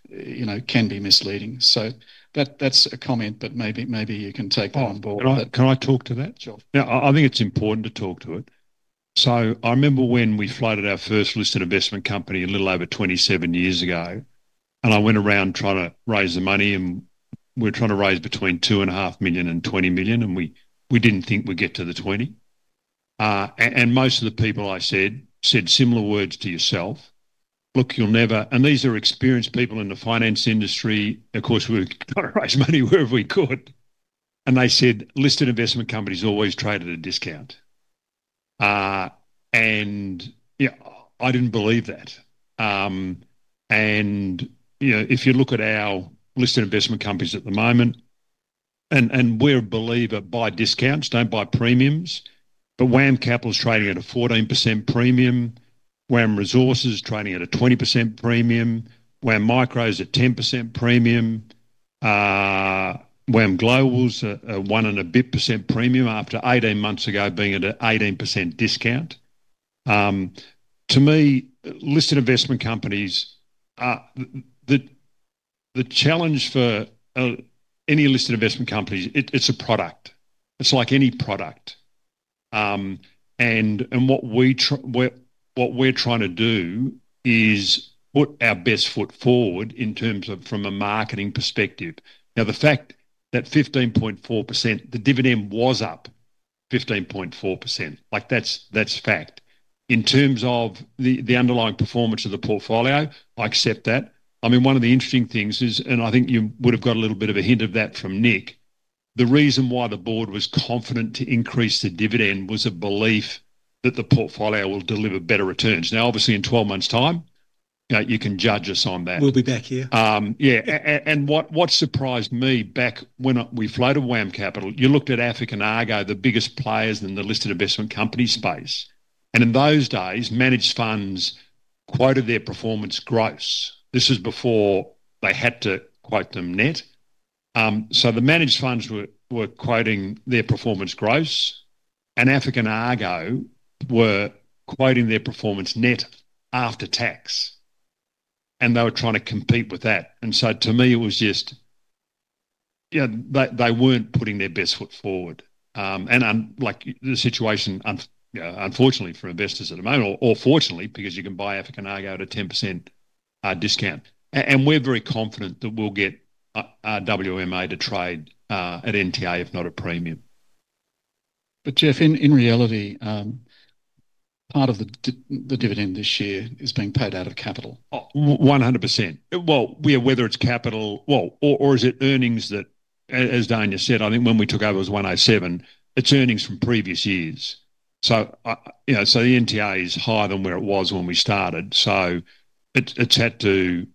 you know, can be misleading. That's a comment, but maybe you can take that on board. Can I talk to that, David? Yeah, I think it's important to talk to it. I remember when we floated our first listed investment company a little over 27 years ago, and I went around trying to raise the money. We were trying to raise between 2.5 million and 20 million, and we didn't think we'd get to the 20 million. Most of the people I spoke to said similar words to yourself. Look, you'll never, and these are experienced people in the finance industry. Of course, we've got to raise money wherever we could. They said listed investment companies always trade at a discount. I didn't believe that. If you look at our listed investment companies at the moment, and we're a believer, buy discounts, don't buy premiums, but WAM Capital is trading at a 14% premium. WAM Resources is trading at a 20% premium. WAM Micro is at a 10% premium. WAM Global is at a 1% and a bit premium after 18 months ago being at an 18% discount. To me, listed investment companies, the challenge for any listed investment companies, it's a product. It's like any product. What we're trying to do is put our best foot forward in terms of from a marketing perspective. The fact that 15.4%, the dividend was up 15.4%, like that's fact. In terms of the underlying performance of the portfolio, I accept that. One of the interesting things is, and I think you would have got a little bit of a hint of that from Nick, the reason why the board was confident to increase the dividend was a belief that the portfolio will deliver better returns. Obviously, in 12 months' time, you can judge us on that. We'll be back here. Yeah, and what surprised me back when we floated WAM Capital, you looked at AFIC and Argo, the biggest players in the listed investment company space. In those days, managed funds quoted their performance gross. This was before they had to quote them net. The managed funds were quoting their performance gross, and AFIC and Argo were quoting their performance net after tax. They were trying to compete with that. To me, it was just, you know, they weren't putting their best foot forward. Like the situation, unfortunately for investors at the moment, or fortunately, because you can buy AFIC and Argo at a 10% discount. We're very confident that we'll get our WMA to trade at NTA, if not at a premium. Geoff, in reality, part of the dividend this year is being paid out of capital. 100%. Whether it's capital or is it earnings that, as Dania said, I think when we took over it was 107, it's earnings from previous years. The NTA is higher than where it was when we started. It's had to,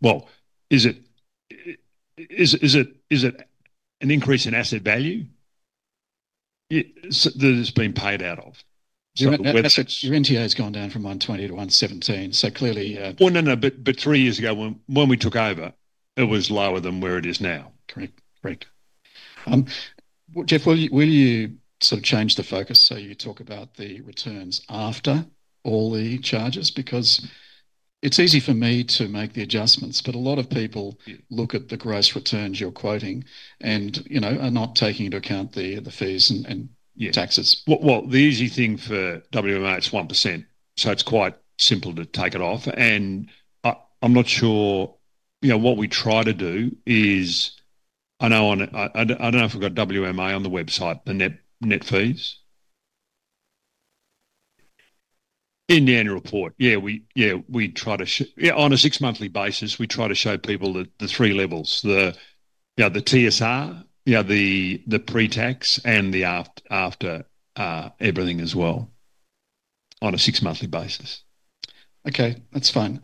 is it an increase in asset value? That's been paid out of. Your NTA has gone down from 1.20 to 1.17. Clearly. No, no, but three years ago when we took over, it was lower than where it is now. Great. Geoff, will you sort of change the focus? You talk about the returns after all the charges because it's easy for me to make the adjustments, but a lot of people look at the gross returns you're quoting and, you know, are not taking into account the fees and taxes. The easy thing for WMA is 1%. It's quite simple to take it off. I'm not sure, you know, what we try to do is, I know on, I don't know if we've got WMA on the website, the net net fees. In the annual report, we try to, on a six-monthly basis, show people the three levels, the TSR, the pre-tax, and the after, everything as well on a six-monthly basis. Okay, that's fine.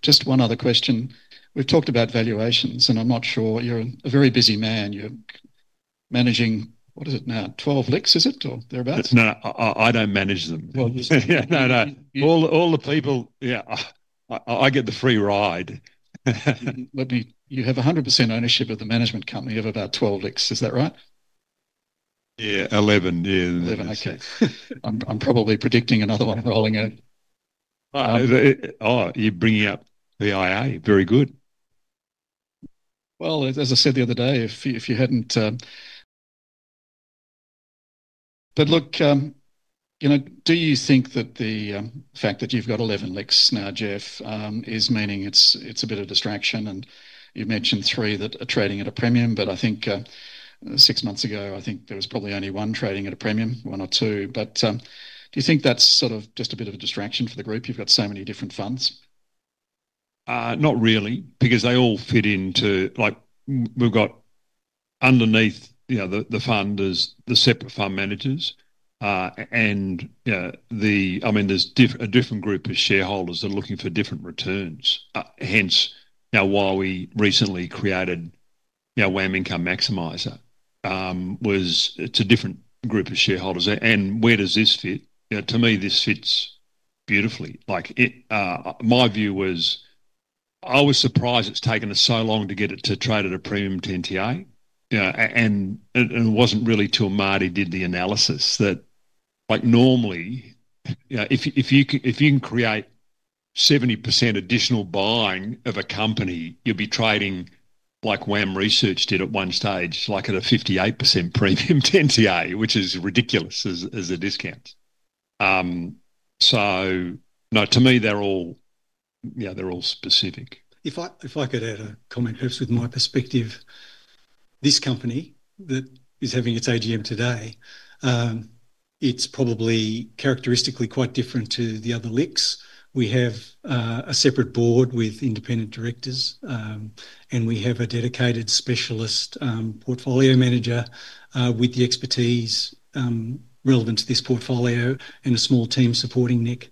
Just one other question. We've talked about valuations, and I'm not sure you're a very busy man. You're managing, what is it now, 12 LICs, is it, or thereabouts? No, I don't manage them. Well, just. No, no. All the people, yeah, I get the free ride. You have 100% ownership of the management company of about 12 LICs, is that right? Yeah, 11, yeah. 11, okay. I'm probably predicting another one rolling out. Oh, you're bringing up the I.A., very good. Do you think that the fact that you've got 11 LICs now, Geoff, is meaning it's a bit of a distraction? You mentioned three that are trading at a premium, but I think six months ago, there was probably only one trading at a premium, one or two. Do you think that's just a bit of a distraction for the group? You've got so many different funds. Not really, because they all fit into, like, we've got underneath, you know, the fund is the separate fund managers. There's a different group of shareholders that are looking for different returns. Hence, you know, why we recently created, you know, WAM Income Maximizer was, it's a different group of shareholders. Where does this fit? To me, this fits beautifully. My view was, I was surprised it's taken us so long to get it to trade at a premium to NTA. It wasn't really till Marty did the analysis that, like, normally, you know, if you can create 70% additional buying of a company, you'd be trading like WAM Research did at one stage, like at a 58% premium to NTA, which is ridiculous as a discount. To me, they're all, yeah, they're all specific. If I could add a comment, perhaps with my perspective, this company that is having its AGM today is probably characteristically quite different to the other LICs. We have a separate board with independent directors, and we have a dedicated specialist portfolio manager with the expertise relevant to this portfolio and a small team supporting Nick.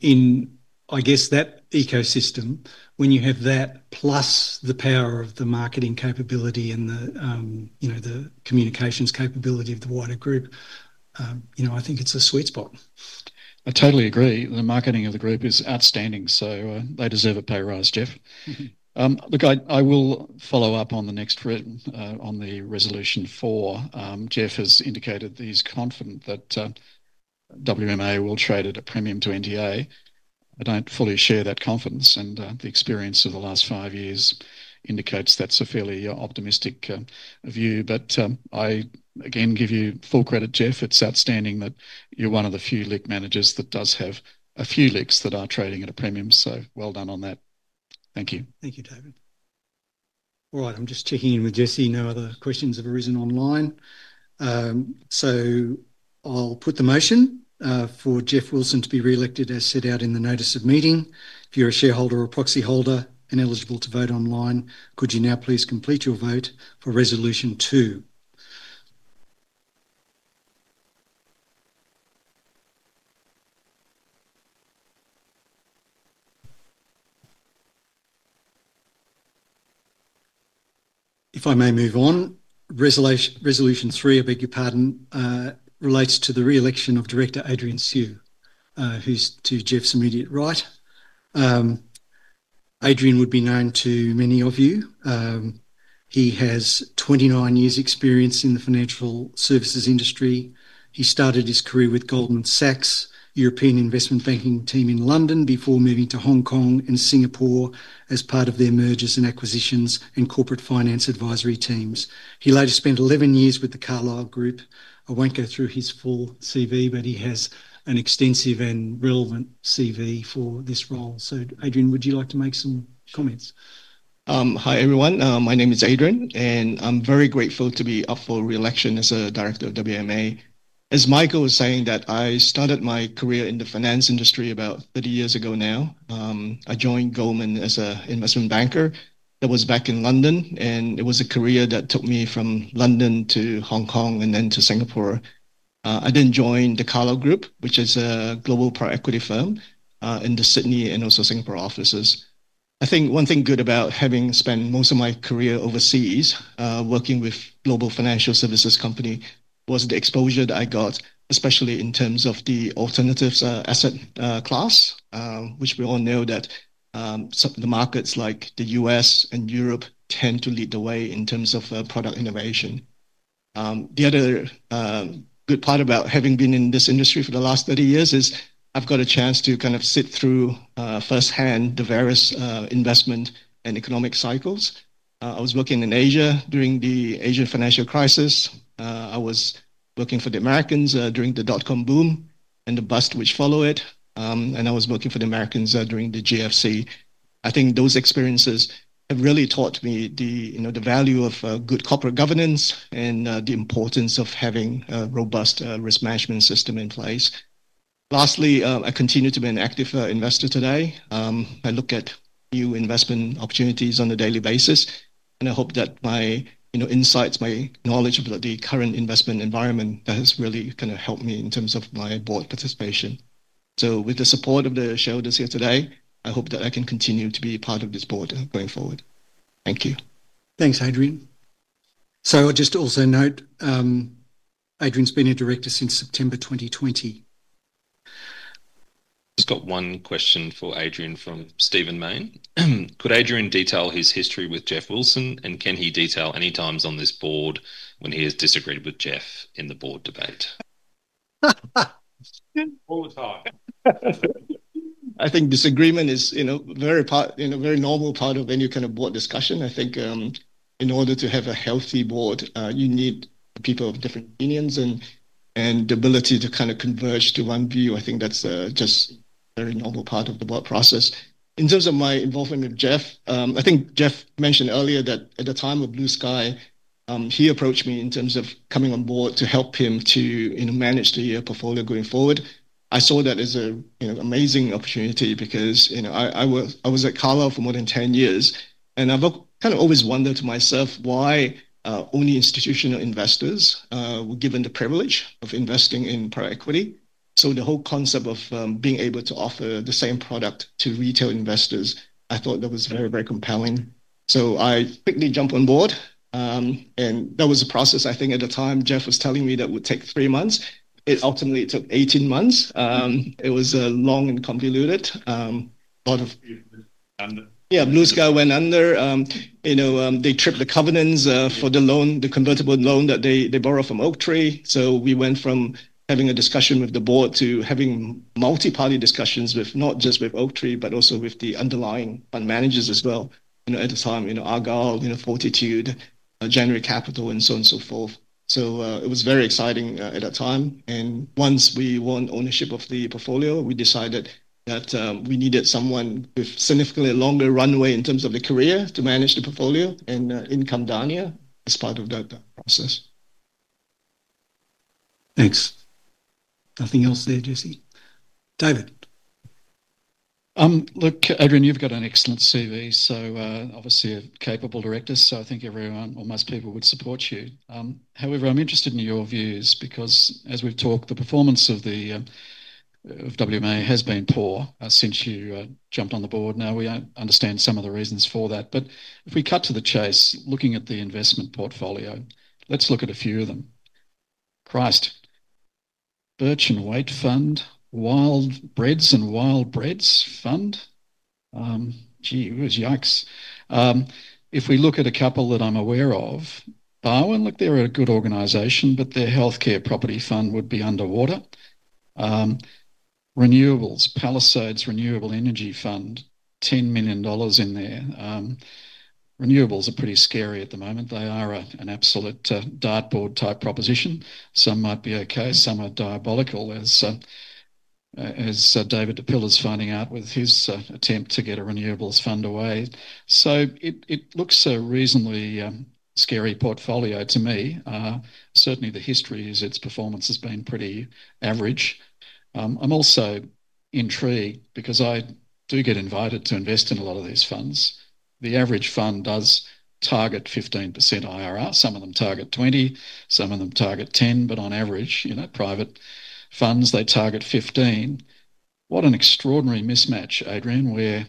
In that ecosystem, when you have that plus the power of the marketing capability and the communications capability of the wider group, I think it's a sweet spot. I totally agree. The marketing of the group is outstanding, so they deserve a pay rise, Geoff. I will follow up on the next thread on resolution four. Geoff has indicated that he's confident that WAM Alternative Assets Limited will trade at a premium to NTA. I don't fully share that confidence, and the experience of the last five years indicates that's a fairly optimistic view. I again give you full credit, Geoff. It's outstanding that you're one of the few LICs managers that does have a few LICs that are trading at a premium. Thank you. Thank you, David. All right, I'm just checking in with Jesse. No other questions have arisen online. I'll put the motion for Geoff Wilson to be reelected as set out in the notice of meeting. If you're a shareholder or a proxy holder and eligible to vote online, could you now please complete your vote for resolution 2? If I may move on, resolution 3, I beg your pardon, relates to the reelection of Director Adrian Sew, who's to Geoff's immediate right. Adrian would be known to many of you. He has 29 years' experience in the financial services industry. He started his career with Goldman Sachs, European investment banking team in London, before moving to Hong Kong and Singapore as part of their mergers and acquisitions and corporate finance advisory teams. He later spent 11 years with the Carlyle Group. I won't go through his full CV, but he has an extensive and relevant CV for this role. Adrian, would you like to make some comments? Hi, everyone. My name is Adrian, and I'm very grateful to be up for re-election as a Director of WAM Alternative Assets Limited. As Michael was saying, I started my career in the finance industry about 30 years ago now. I joined Goldman as an investment banker. That was back in London, and it was a career that took me from London to Hong Kong and then to Singapore. I then joined the Carlyle Group, which is a global private equity firm in the Sydney and also Singapore offices. I think one thing good about having spent most of my career overseas working with global financial services companies was the exposure that I got, especially in terms of the alternative assets class, which we all know that the markets like the U.S. and Europe tend to lead the way in terms of product innovation. The other good part about having been in this industry for the last 30 years is I've got a chance to kind of sit through firsthand the various investment and economic cycles. I was working in Asia during the Asia financial crisis. I was working for the Americans during the dot-com boom and the bust which followed it. I was working for the Americans during the GFC. I think those experiences have really taught me the value of good corporate governance and the importance of having a robust risk management system in place. Lastly, I continue to be an active investor today. I look at new investment opportunities on a daily basis, and I hope that my insights, my knowledge about the current investment environment has really kind of helped me in terms of my board participation. With the support of the shareholders here today, I hope that I can continue to be part of this board going forward. Thank you. Thanks, Adrian. I'll just also note Adrian's been a Director since September 2020. Just got one question for Adrian from Stephen Mayne. Could Adrian detail his history with Geoff Wilson, and can he detail any times on this board when he has disagreed with Geoff in the board debate? All the time. I think disagreement is a very normal part of any kind of board discussion. I think in order to have a healthy board, you need people of different opinions and the ability to converge to one view. I think that's just a very normal part of the board process. In terms of my involvement with Geoff, I think Geoff mentioned earlier that at the time of Blue Sky, he approached me in terms of coming on board to help him to manage the portfolio going forward. I saw that as an amazing opportunity because I was at Carlyle for more than 10 years, and I've always wondered to myself why only institutional investors were given the privilege of investing in private equity. The whole concept of being able to offer the same product to retail investors, I thought that was very, very compelling. I quickly jumped on board, and that was a process I think at the time Geoff was telling me that would take three months. It ultimately took 18 months. It was long and convoluted. A lot of people went under. Yeah, Blue Sky went under. They tripped the covenants for the loan, the convertible loan that they borrowed from Oaktree. We went from having a discussion with the board to having multi-party discussions not just with Oaktree, but also with the underlying fund managers as well. At the time, Argo, Fortitude, January Capital, and so on and so forth. It was very exciting at that time. Once we won ownership of the portfolio, we decided that we needed someone with a significantly longer runway in terms of the career to manage the portfolio, and in came Dania as part of that process. Thanks. Nothing else there, Jesse. David. Look, Adrian, you've got an excellent CV. Obviously a capable director. I think everyone, or most people, would support you. However, I'm interested in your views because, as we've talked, the performance of WAM Alternative Assets has been poor since you jumped on the board. We understand some of the reasons for that. If we cut to the chase, looking at the investment portfolio, let's look at a few of them. Christ, Birch & Waite Fund, Wild Breads and Wild Breads Fund. Gee, yikes. If we look at a couple that I'm aware of, Bowen, they're a good organization, but their healthcare property fund would be underwater. Renewables, Palisades Renewable Energy Fund, 10 million dollars in there. Renewables are pretty scary at the moment. They are an absolute dartboard type proposition. Some might be okay. Some are diabolical, as David DePillo is finding out with his attempt to get a renewables fund away. It looks a reasonably scary portfolio to me. Certainly, the history is its performance has been pretty average. I'm also intrigued because I do get invited to invest in a lot of these funds. The average fund does target 15% IRR. Some of them target 20%. Some of them target 10%. On average, you know, private funds, they target 15%. What an extraordinary mismatch, Adrian, where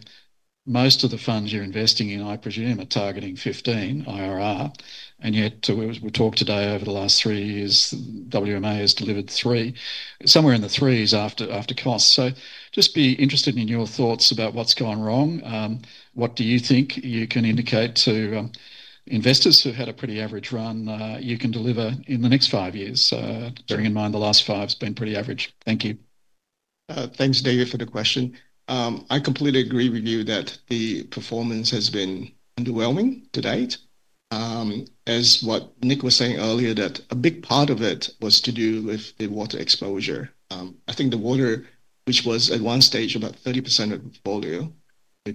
most of the funds you're investing in, I presume, are targeting 15% IRR. Yet, we talked today over the last three years, WMA has delivered 3%. Somewhere in the 3% is after cost. Just be interested in your thoughts about what's gone wrong. What do you think you can indicate to investors who've had a pretty average run you can deliver in the next five years, bearing in mind the last five have been pretty average? Thank you. Thanks, David, for the question. I completely agree with you that the performance has been underwhelming to date. As what Nick was saying earlier, a big part of it was to do with the water exposure. I think the water, which was at one stage about 30% of the portfolio,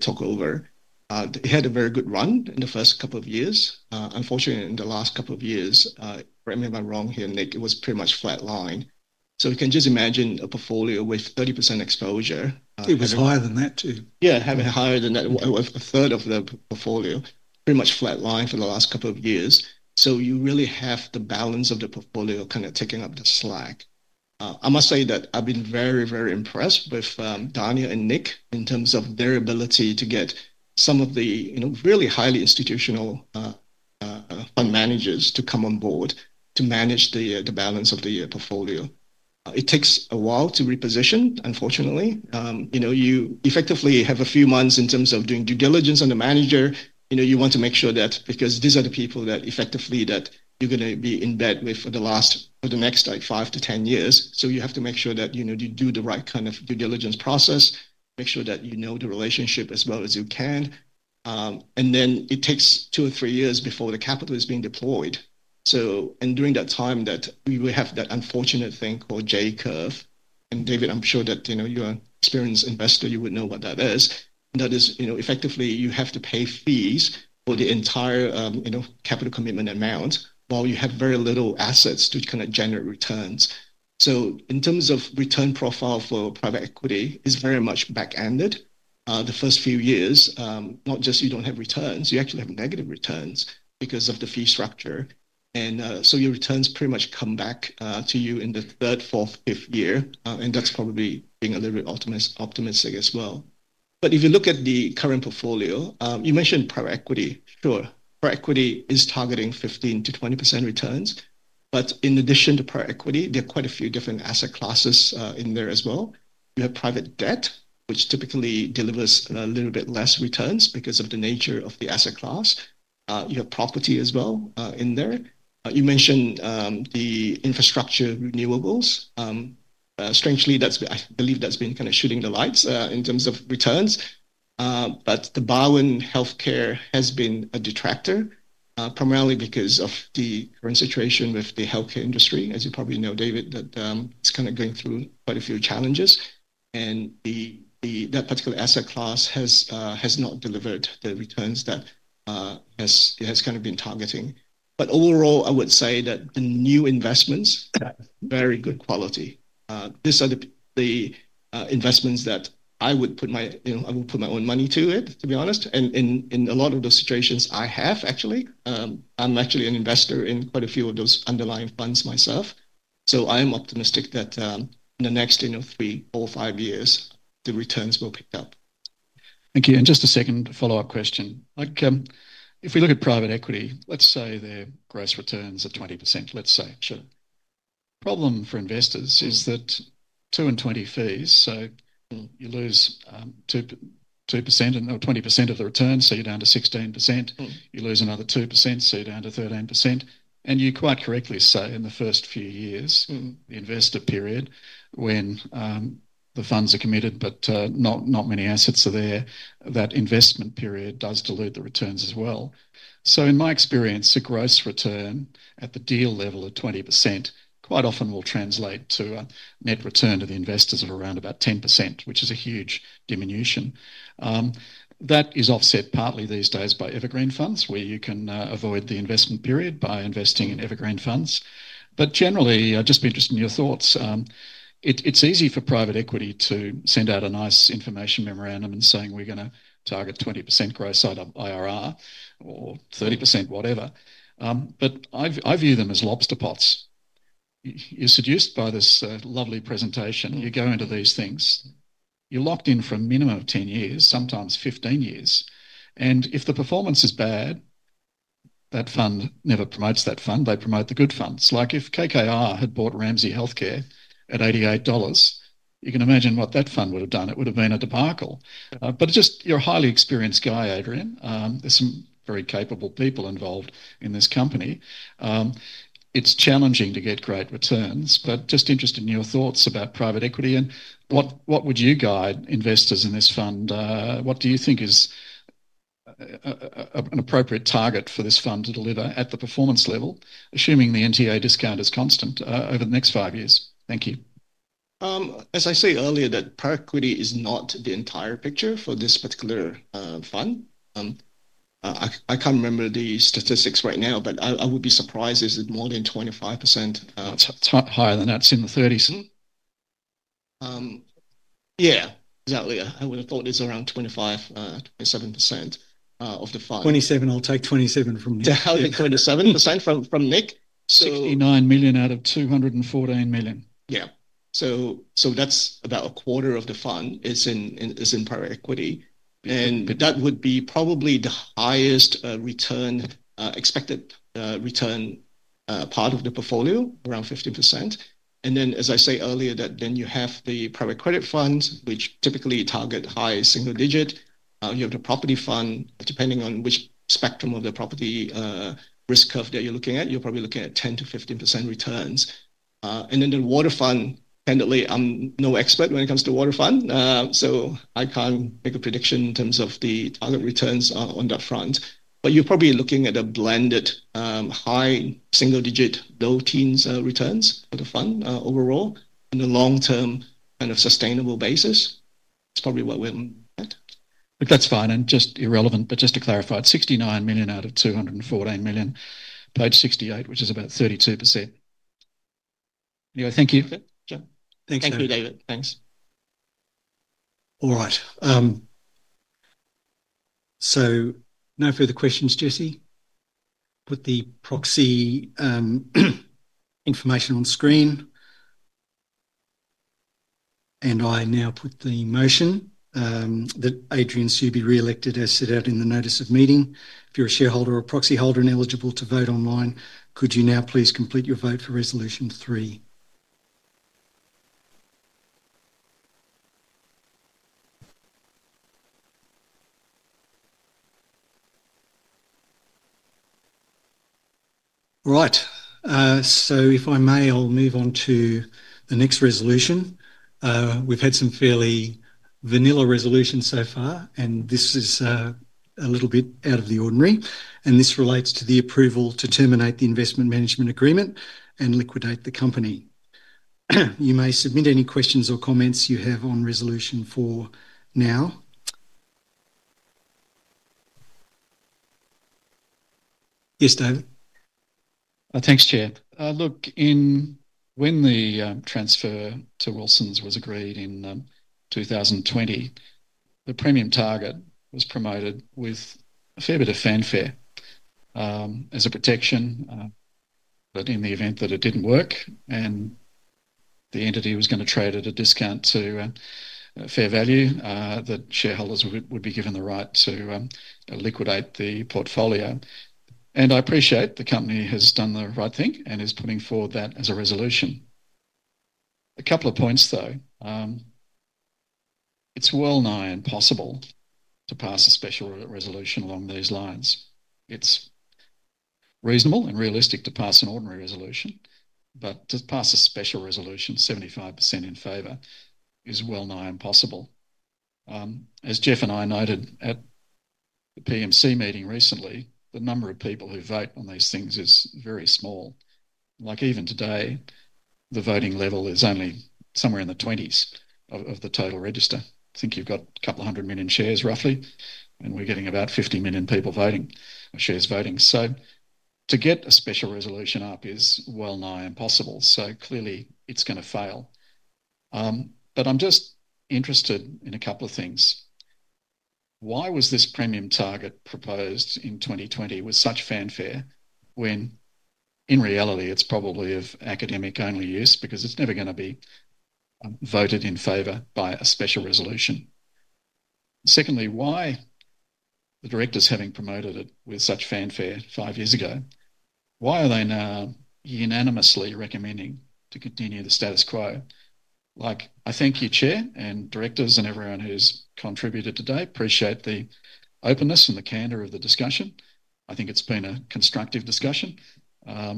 took over. It had a very good run in the first couple of years. Unfortunately, in the last couple of years, correct me if I'm wrong here, Nick, it was pretty much flat line. We can just imagine a portfolio with 30% exposure. It was higher than that, too. Yeah, having higher than that, a third of the portfolio, pretty much flat line for the last couple of years. You really have the balance of the portfolio kind of taking up the slack. I must say that I've been very, very impressed with Dania and Nick in terms of their ability to get some of the really highly institutional fund managers to come on board to manage the balance of the portfolio. It takes a while to reposition, unfortunately. You effectively have a few months in terms of doing due diligence on the manager. You want to make sure that because these are the people that effectively you're going to be in bed with for the next five to ten years. You have to make sure that you do the right kind of due diligence process, make sure that you know the relationship as well as you can. It takes two or three years before the capital is being deployed. During that time, we have that unfortunate thing called J curve, and David, I'm sure that you're an experienced investor, you would know what that is. That is, you have to pay fees for the entire capital commitment amount while you have very little assets to generate returns. In terms of return profile for private equity, it's very much back-ended. The first few years, not just you don't have returns, you actually have negative returns because of the fee structure. Your returns pretty much come back to you in the third, fourth, fifth year. That's probably being a little bit optimistic as well. If you look at the current portfolio, you mentioned private equity. Sure, private equity is targeting 15%-20% returns. In addition to private equity, there are quite a few different asset classes in there as well. You have private debt, which typically delivers a little bit less returns because of the nature of the asset class. You have property as well in there. You mentioned the infrastructure renewables. Strangely, I believe that's been kind of shooting the lights in terms of returns. The Bowen Healthcare has been a detractor, primarily because of the current situation with the healthcare industry, as you probably know, David, that it's going through quite a few challenges. That particular asset class has not delivered the returns that it has been targeting. Overall, I would say that the new investments are very good quality. These are the investments that I would put my own money to, to be honest. In a lot of those situations I have, actually, I'm actually an investor in quite a few of those underlying funds myself. I am optimistic that in the next three, four, five years, the returns will pick up. Thank you. Just a second follow-up question. If we look at private equity, let's say the gross returns are 20%. Sure. The problem for investors is that two and 20 fees, so you lose 2% or 20% of the returns, so you're down to 16%. You lose another 2%, so you're down to 13%. You quite correctly say in the first few years, the investor period when the funds are committed but not many assets are there, that investment period does dilute the returns as well. In my experience, the gross return at deal. Level at 20% quite often will translate to a net return to the investors of around about 10%, which is a huge diminution. That is offset partly these days by evergreen funds, where you can avoid the investment period by investing in evergreen funds. Generally, I'd just be interested in your thoughts. It's easy for private equity to send out a nice information memorandum and say, "We're going to target 20% gross IRR or 30% whatever." I view them as lobster pots. You're seduced by this lovely presentation. You go into these things. You're locked in for a minimum of 10 years, sometimes 15 years. If the performance is bad, that fund never promotes that fund. They promote the good funds. Like if KKR had bought Ramsay Healthcare at 88 dollars, you can imagine what that fund would have done. It would have been a debacle. You're a highly experienced guy, Adrian. There are some very capable people involved in this company. It's challenging to get great returns, but I'm interested in your thoughts about private equity and what you would guide investors in this fund. What do you think is an appropriate target for this fund to deliver at the performance level, assuming the NTA discount is constant over the next five years? Thank you. As I said earlier, that par equity is not the entire picture for this particular fund. I can't remember the statistics right now, but I would be surprised if it's more than 25%. It's higher than that. It's in the 30%. Yeah, exactly. I would have thought it's around 25%, 27% of the fund. I'll take 27% from you. To help you, 27% from Nick? 69 million out of 214 million. Yeah. That's about a quarter of the fund in private equity, and that would be probably the highest expected return part of the portfolio, around 15%. As I said earlier, you have the private credit funds, which typically target high single-digit. You have the property fund. Depending on which spectrum of the property risk curve you're looking at, you're probably looking at 10%-15% returns. The water fund, candidly, I'm no expert when it comes to the water fund, so I can't make a prediction in terms of the target returns on that front. You're probably looking at a blended, high single-digit, low teens returns for the fund overall on a long-term, kind of sustainable basis. That's probably what we're looking at. That's fine. Just to clarify, it's 69 million out of 214 million. Vote 68, which is about 32%. Thank you. Thank you, David. Thanks. All right. No further questions, Jesse. Put the proxy information on screen. I now put the motion that Adrian should be re-elected as set out in the notice of meeting. If you're a shareholder or a proxy holder and eligible to vote online, could you now please complete your vote for Resolution 3? If I may, I'll move on to the next resolution. We've had some fairly vanilla resolutions so far, and this is a little bit out of the ordinary. This relates to the approval to terminate the investment management agreement and liquidate the company. You may submit any questions or comments you have on Resolution 4 now. Yes, David. Thanks, Chair. In when the transfer to Wilson's was agreed in 2020, the premium target was promoted with a fair bit of fanfare as a protection that in the event that it didn't work and the entity was going to trade at a discount to a fair value, that shareholders would be given the right to liquidate the portfolio. I appreciate the company has done the right thing and is putting forward that as a resolution. A couple of points, though. It's well nigh impossible to pass a special resolution along those lines. It's reasonable and realistic to pass an ordinary resolution, but to pass a special resolution, 75% in favor, is well nigh impossible. As Geoff Wilson AO and I noted at the PMC meeting recently, the number of people who vote on these things is very small. Like even today, the voting level is only somewhere in the 20s of the total register. I think you've got a couple hundred million shares roughly, and we're getting about 50 million shares voting. To get a special resolution up is well nigh impossible. Clearly, it's going to fail. I'm just interested in a couple of things. Why was this premium target proposed in 2020 with such fanfare when, in reality, it's probably of academic only use because it's never going to be voted in favor by a special resolution? Secondly, why the directors, having promoted it with such fanfare five years ago, why are they now unanimously recommending to continue the status quo? I thank you, Chair, and directors and everyone who's contributed today. I appreciate the openness and the candor of the discussion. I think it's been a constructive discussion. A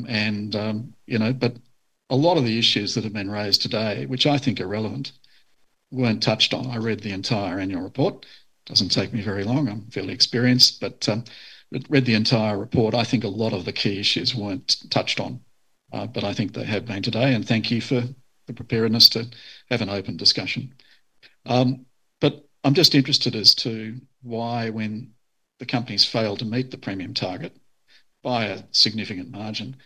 lot of the issues that have been raised today, which I think are relevant, weren't touched on. I read the entire annual report. It doesn't take me very long. I'm fairly experienced, but I read the entire report. I think a lot of the key issues weren't touched on, but I think they have been today. Thank you for the preparedness to have an open discussion. I'm just interested as to why, when the company has failed to meet the premium target by a significant margin,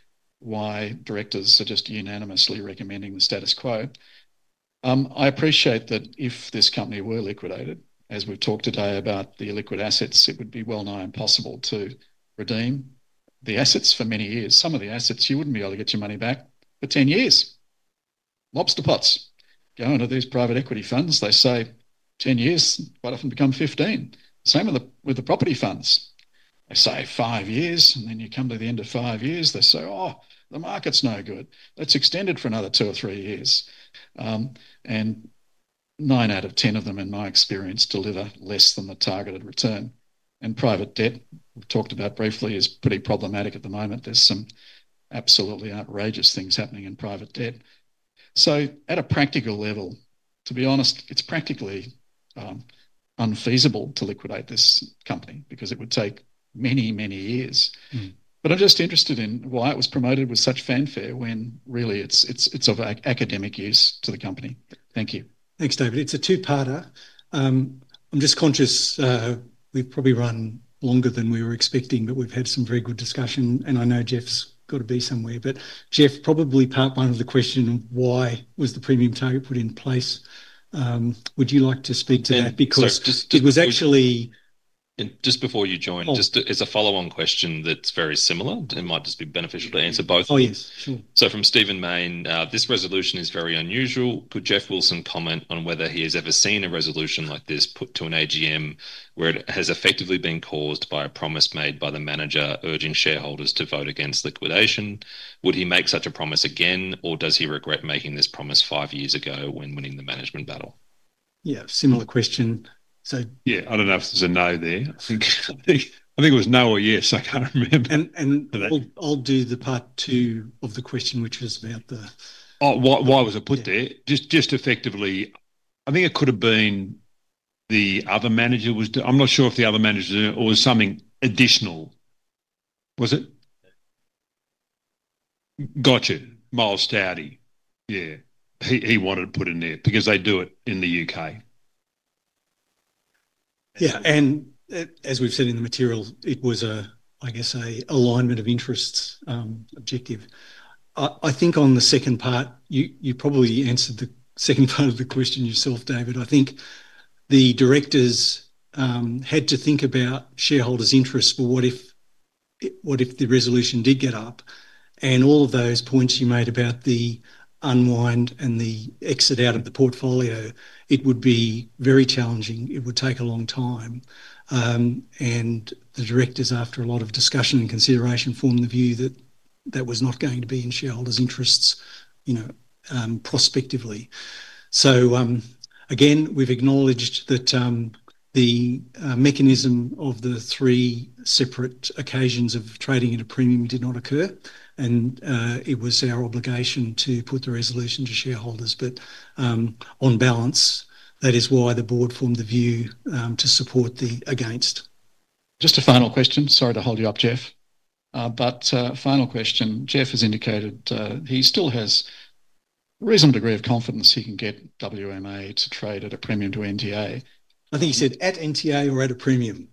why directors are just unanimously recommending the status quo. I appreciate that if this company were liquidated, as we talked today about the illiquid assets, it would be well nigh impossible to redeem the assets for many years. Some of the assets, you wouldn't be able to get your money back for 10 years. Lobster pots. Go into these private equity funds, they say 10 years, quite often become 15. Same with the property funds. They say five years, and then you come to the end of five years, they say, oh, the market's no good. Let's extend it for another two or three years. Nine out of ten of them, in my experience, deliver less than the targeted return. Private debt, we've talked about briefly, is pretty problematic at the moment. There are some absolutely outrageous things happening in private debt. At a practical level, to be honest, it's practically unfeasible to liquidate this company because it would take many, many years. I'm just interested in why it was promoted with such fanfare when really it's of academic use to the company. Thank you. Thanks, David. It's a two-parter. I'm just conscious we probably ran longer than we were expecting, but we've had some very good discussion. I know Geoff's got to be somewhere, but Geoff, probably part one of the questions was why was the premium target put in place? Would you like to speak to that? Because it was actually. Just before you join, as a follow-on question that's very similar, it might be beneficial to answer both. Oh, yes, sure. From Stephen Mayne, this resolution is very unusual. Could Geoff Wilson comment on whether he has ever seen a resolution like this put to an AGM where it has effectively been caused by a promise made by the manager urging shareholders to vote against liquidation? Would he make such a promise again, or does he regret making this promise five years ago when winning the management battle? Yeah, similar question. Yeah, I don't know if there's a no there. I think it was no or yes. I can't remember. I'll do the part two of the question, which was about the. Why was it put there? I think it could have been the other manager was doing. I'm not sure if the other manager was doing it or something additional. Was it? Gotcha. Miles Stout. He wanted to put in there because they do it in the UK. Yeah. As we've said in the material, it was, I guess, an alignment of interests objective. I think on the second part, you probably answered the second part of the question yourself, David. I think the directors had to think about shareholders' interests. What if the resolution did get up? All of those points you made about the unwind and the exit out of the portfolio, it would be very challenging. It would take a long time. The directors, after a lot of discussion and consideration, formed the view that that was not going to be in shareholders' interests, you know, prospectively. We've acknowledged that the mechanism of the three separate occasions of trading in a premium did not occur. It was our obligation to put the resolution to shareholders. On balance, that is why the board formed the view to support the against. Just a final question. Sorry to hold you up, Geoff. Final question. Geoff has indicated he still has a reasonable degree of confidence he can get WMA's to trade at a premium to NTA. I think he said at NTA or at a premium.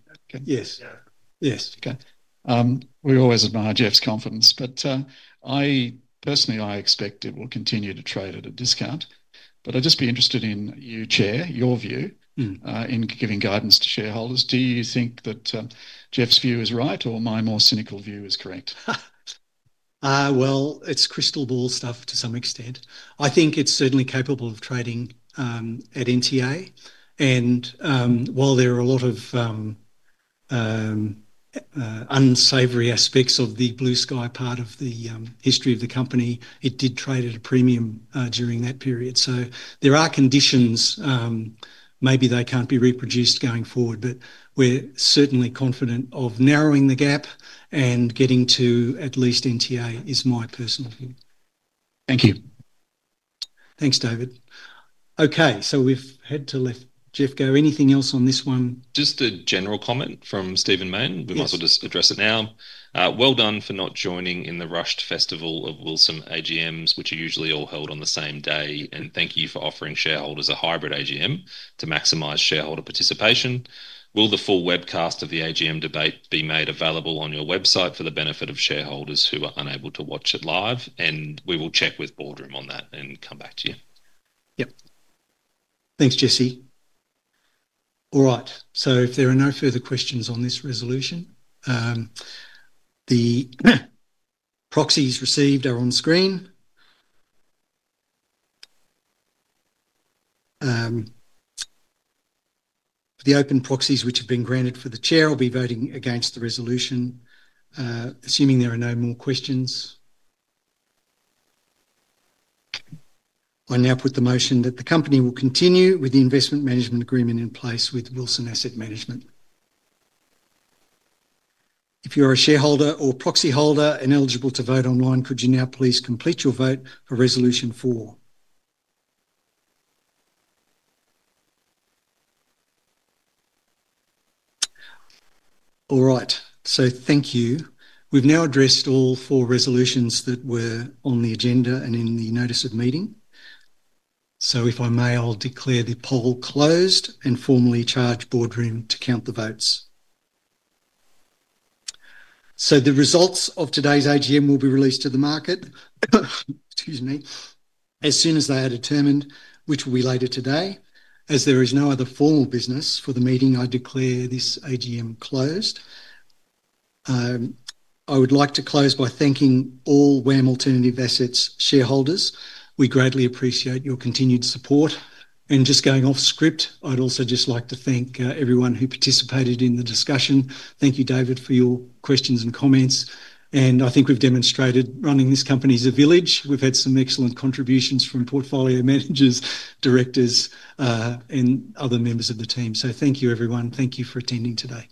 Yes. Yes. Okay. We always admire Geoff's confidence. I personally expect it will continue to trade at a discount. I'd just be interested in you, Chair, your view in giving guidance to shareholders. Do you think that Geoff's view is right or my more cynical view is correct? It's crystal ball stuff to some extent. I think it's certainly capable of trading at NTA. While there are a lot of unsavory aspects of the Blue Sky part of the history of the company, it did trade at a premium during that period. There are conditions. Maybe they can't be reproduced going forward. We're certainly confident of narrowing the gap and getting to at least NTA is my personal view. Thank you. Thanks, David. Okay, we've had to let Geoff go. Anything else on this one? Just a general comment from Stephen Mayne. We might as well just address it now. Well done for not joining in the rushed festival of Wilson AGMs, which are usually all held on the same day. Thank you for offering shareholders a hybrid AGM to maximize shareholder participation. Will the full webcast of the AGM debate be made available on your website for the benefit of shareholders who are unable to watch it live? We will check with Boardroom on that and come back to you. Yeah. Thanks, Jesse. All right. If there are no further questions on this resolution, the proxies received are on screen. The open proxies which have been granted for the Chair will be voting against the resolution, assuming there are no more questions. I now put the motion that the company will continue with the investment management agreement in place with Wilson Asset Management. If you are a shareholder or proxy holder and eligible to vote online, could you now please complete your vote for resolution four? All right. Thank you. We've now addressed all four resolutions that were on the agenda and in the notice of meeting. If I may, I'll declare the poll closed and formally charge Boardroom to count the votes. The results of today's AGM will be released to the market, excuse me, as soon as they are determined, which will be later today. As there is no other formal business for the meeting, I declare this AGM closed. I would like to close by thanking all WAM Alternative Assets shareholders. We greatly appreciate your continued support. Just going off script, I'd also just like to thank everyone who participated in the discussion. Thank you, David, for your questions and comments. I think we've demonstrated running this company as a village. We've had some excellent contributions from portfolio managers, directors, and other members of the team. Thank you, everyone. Thank you for attending today.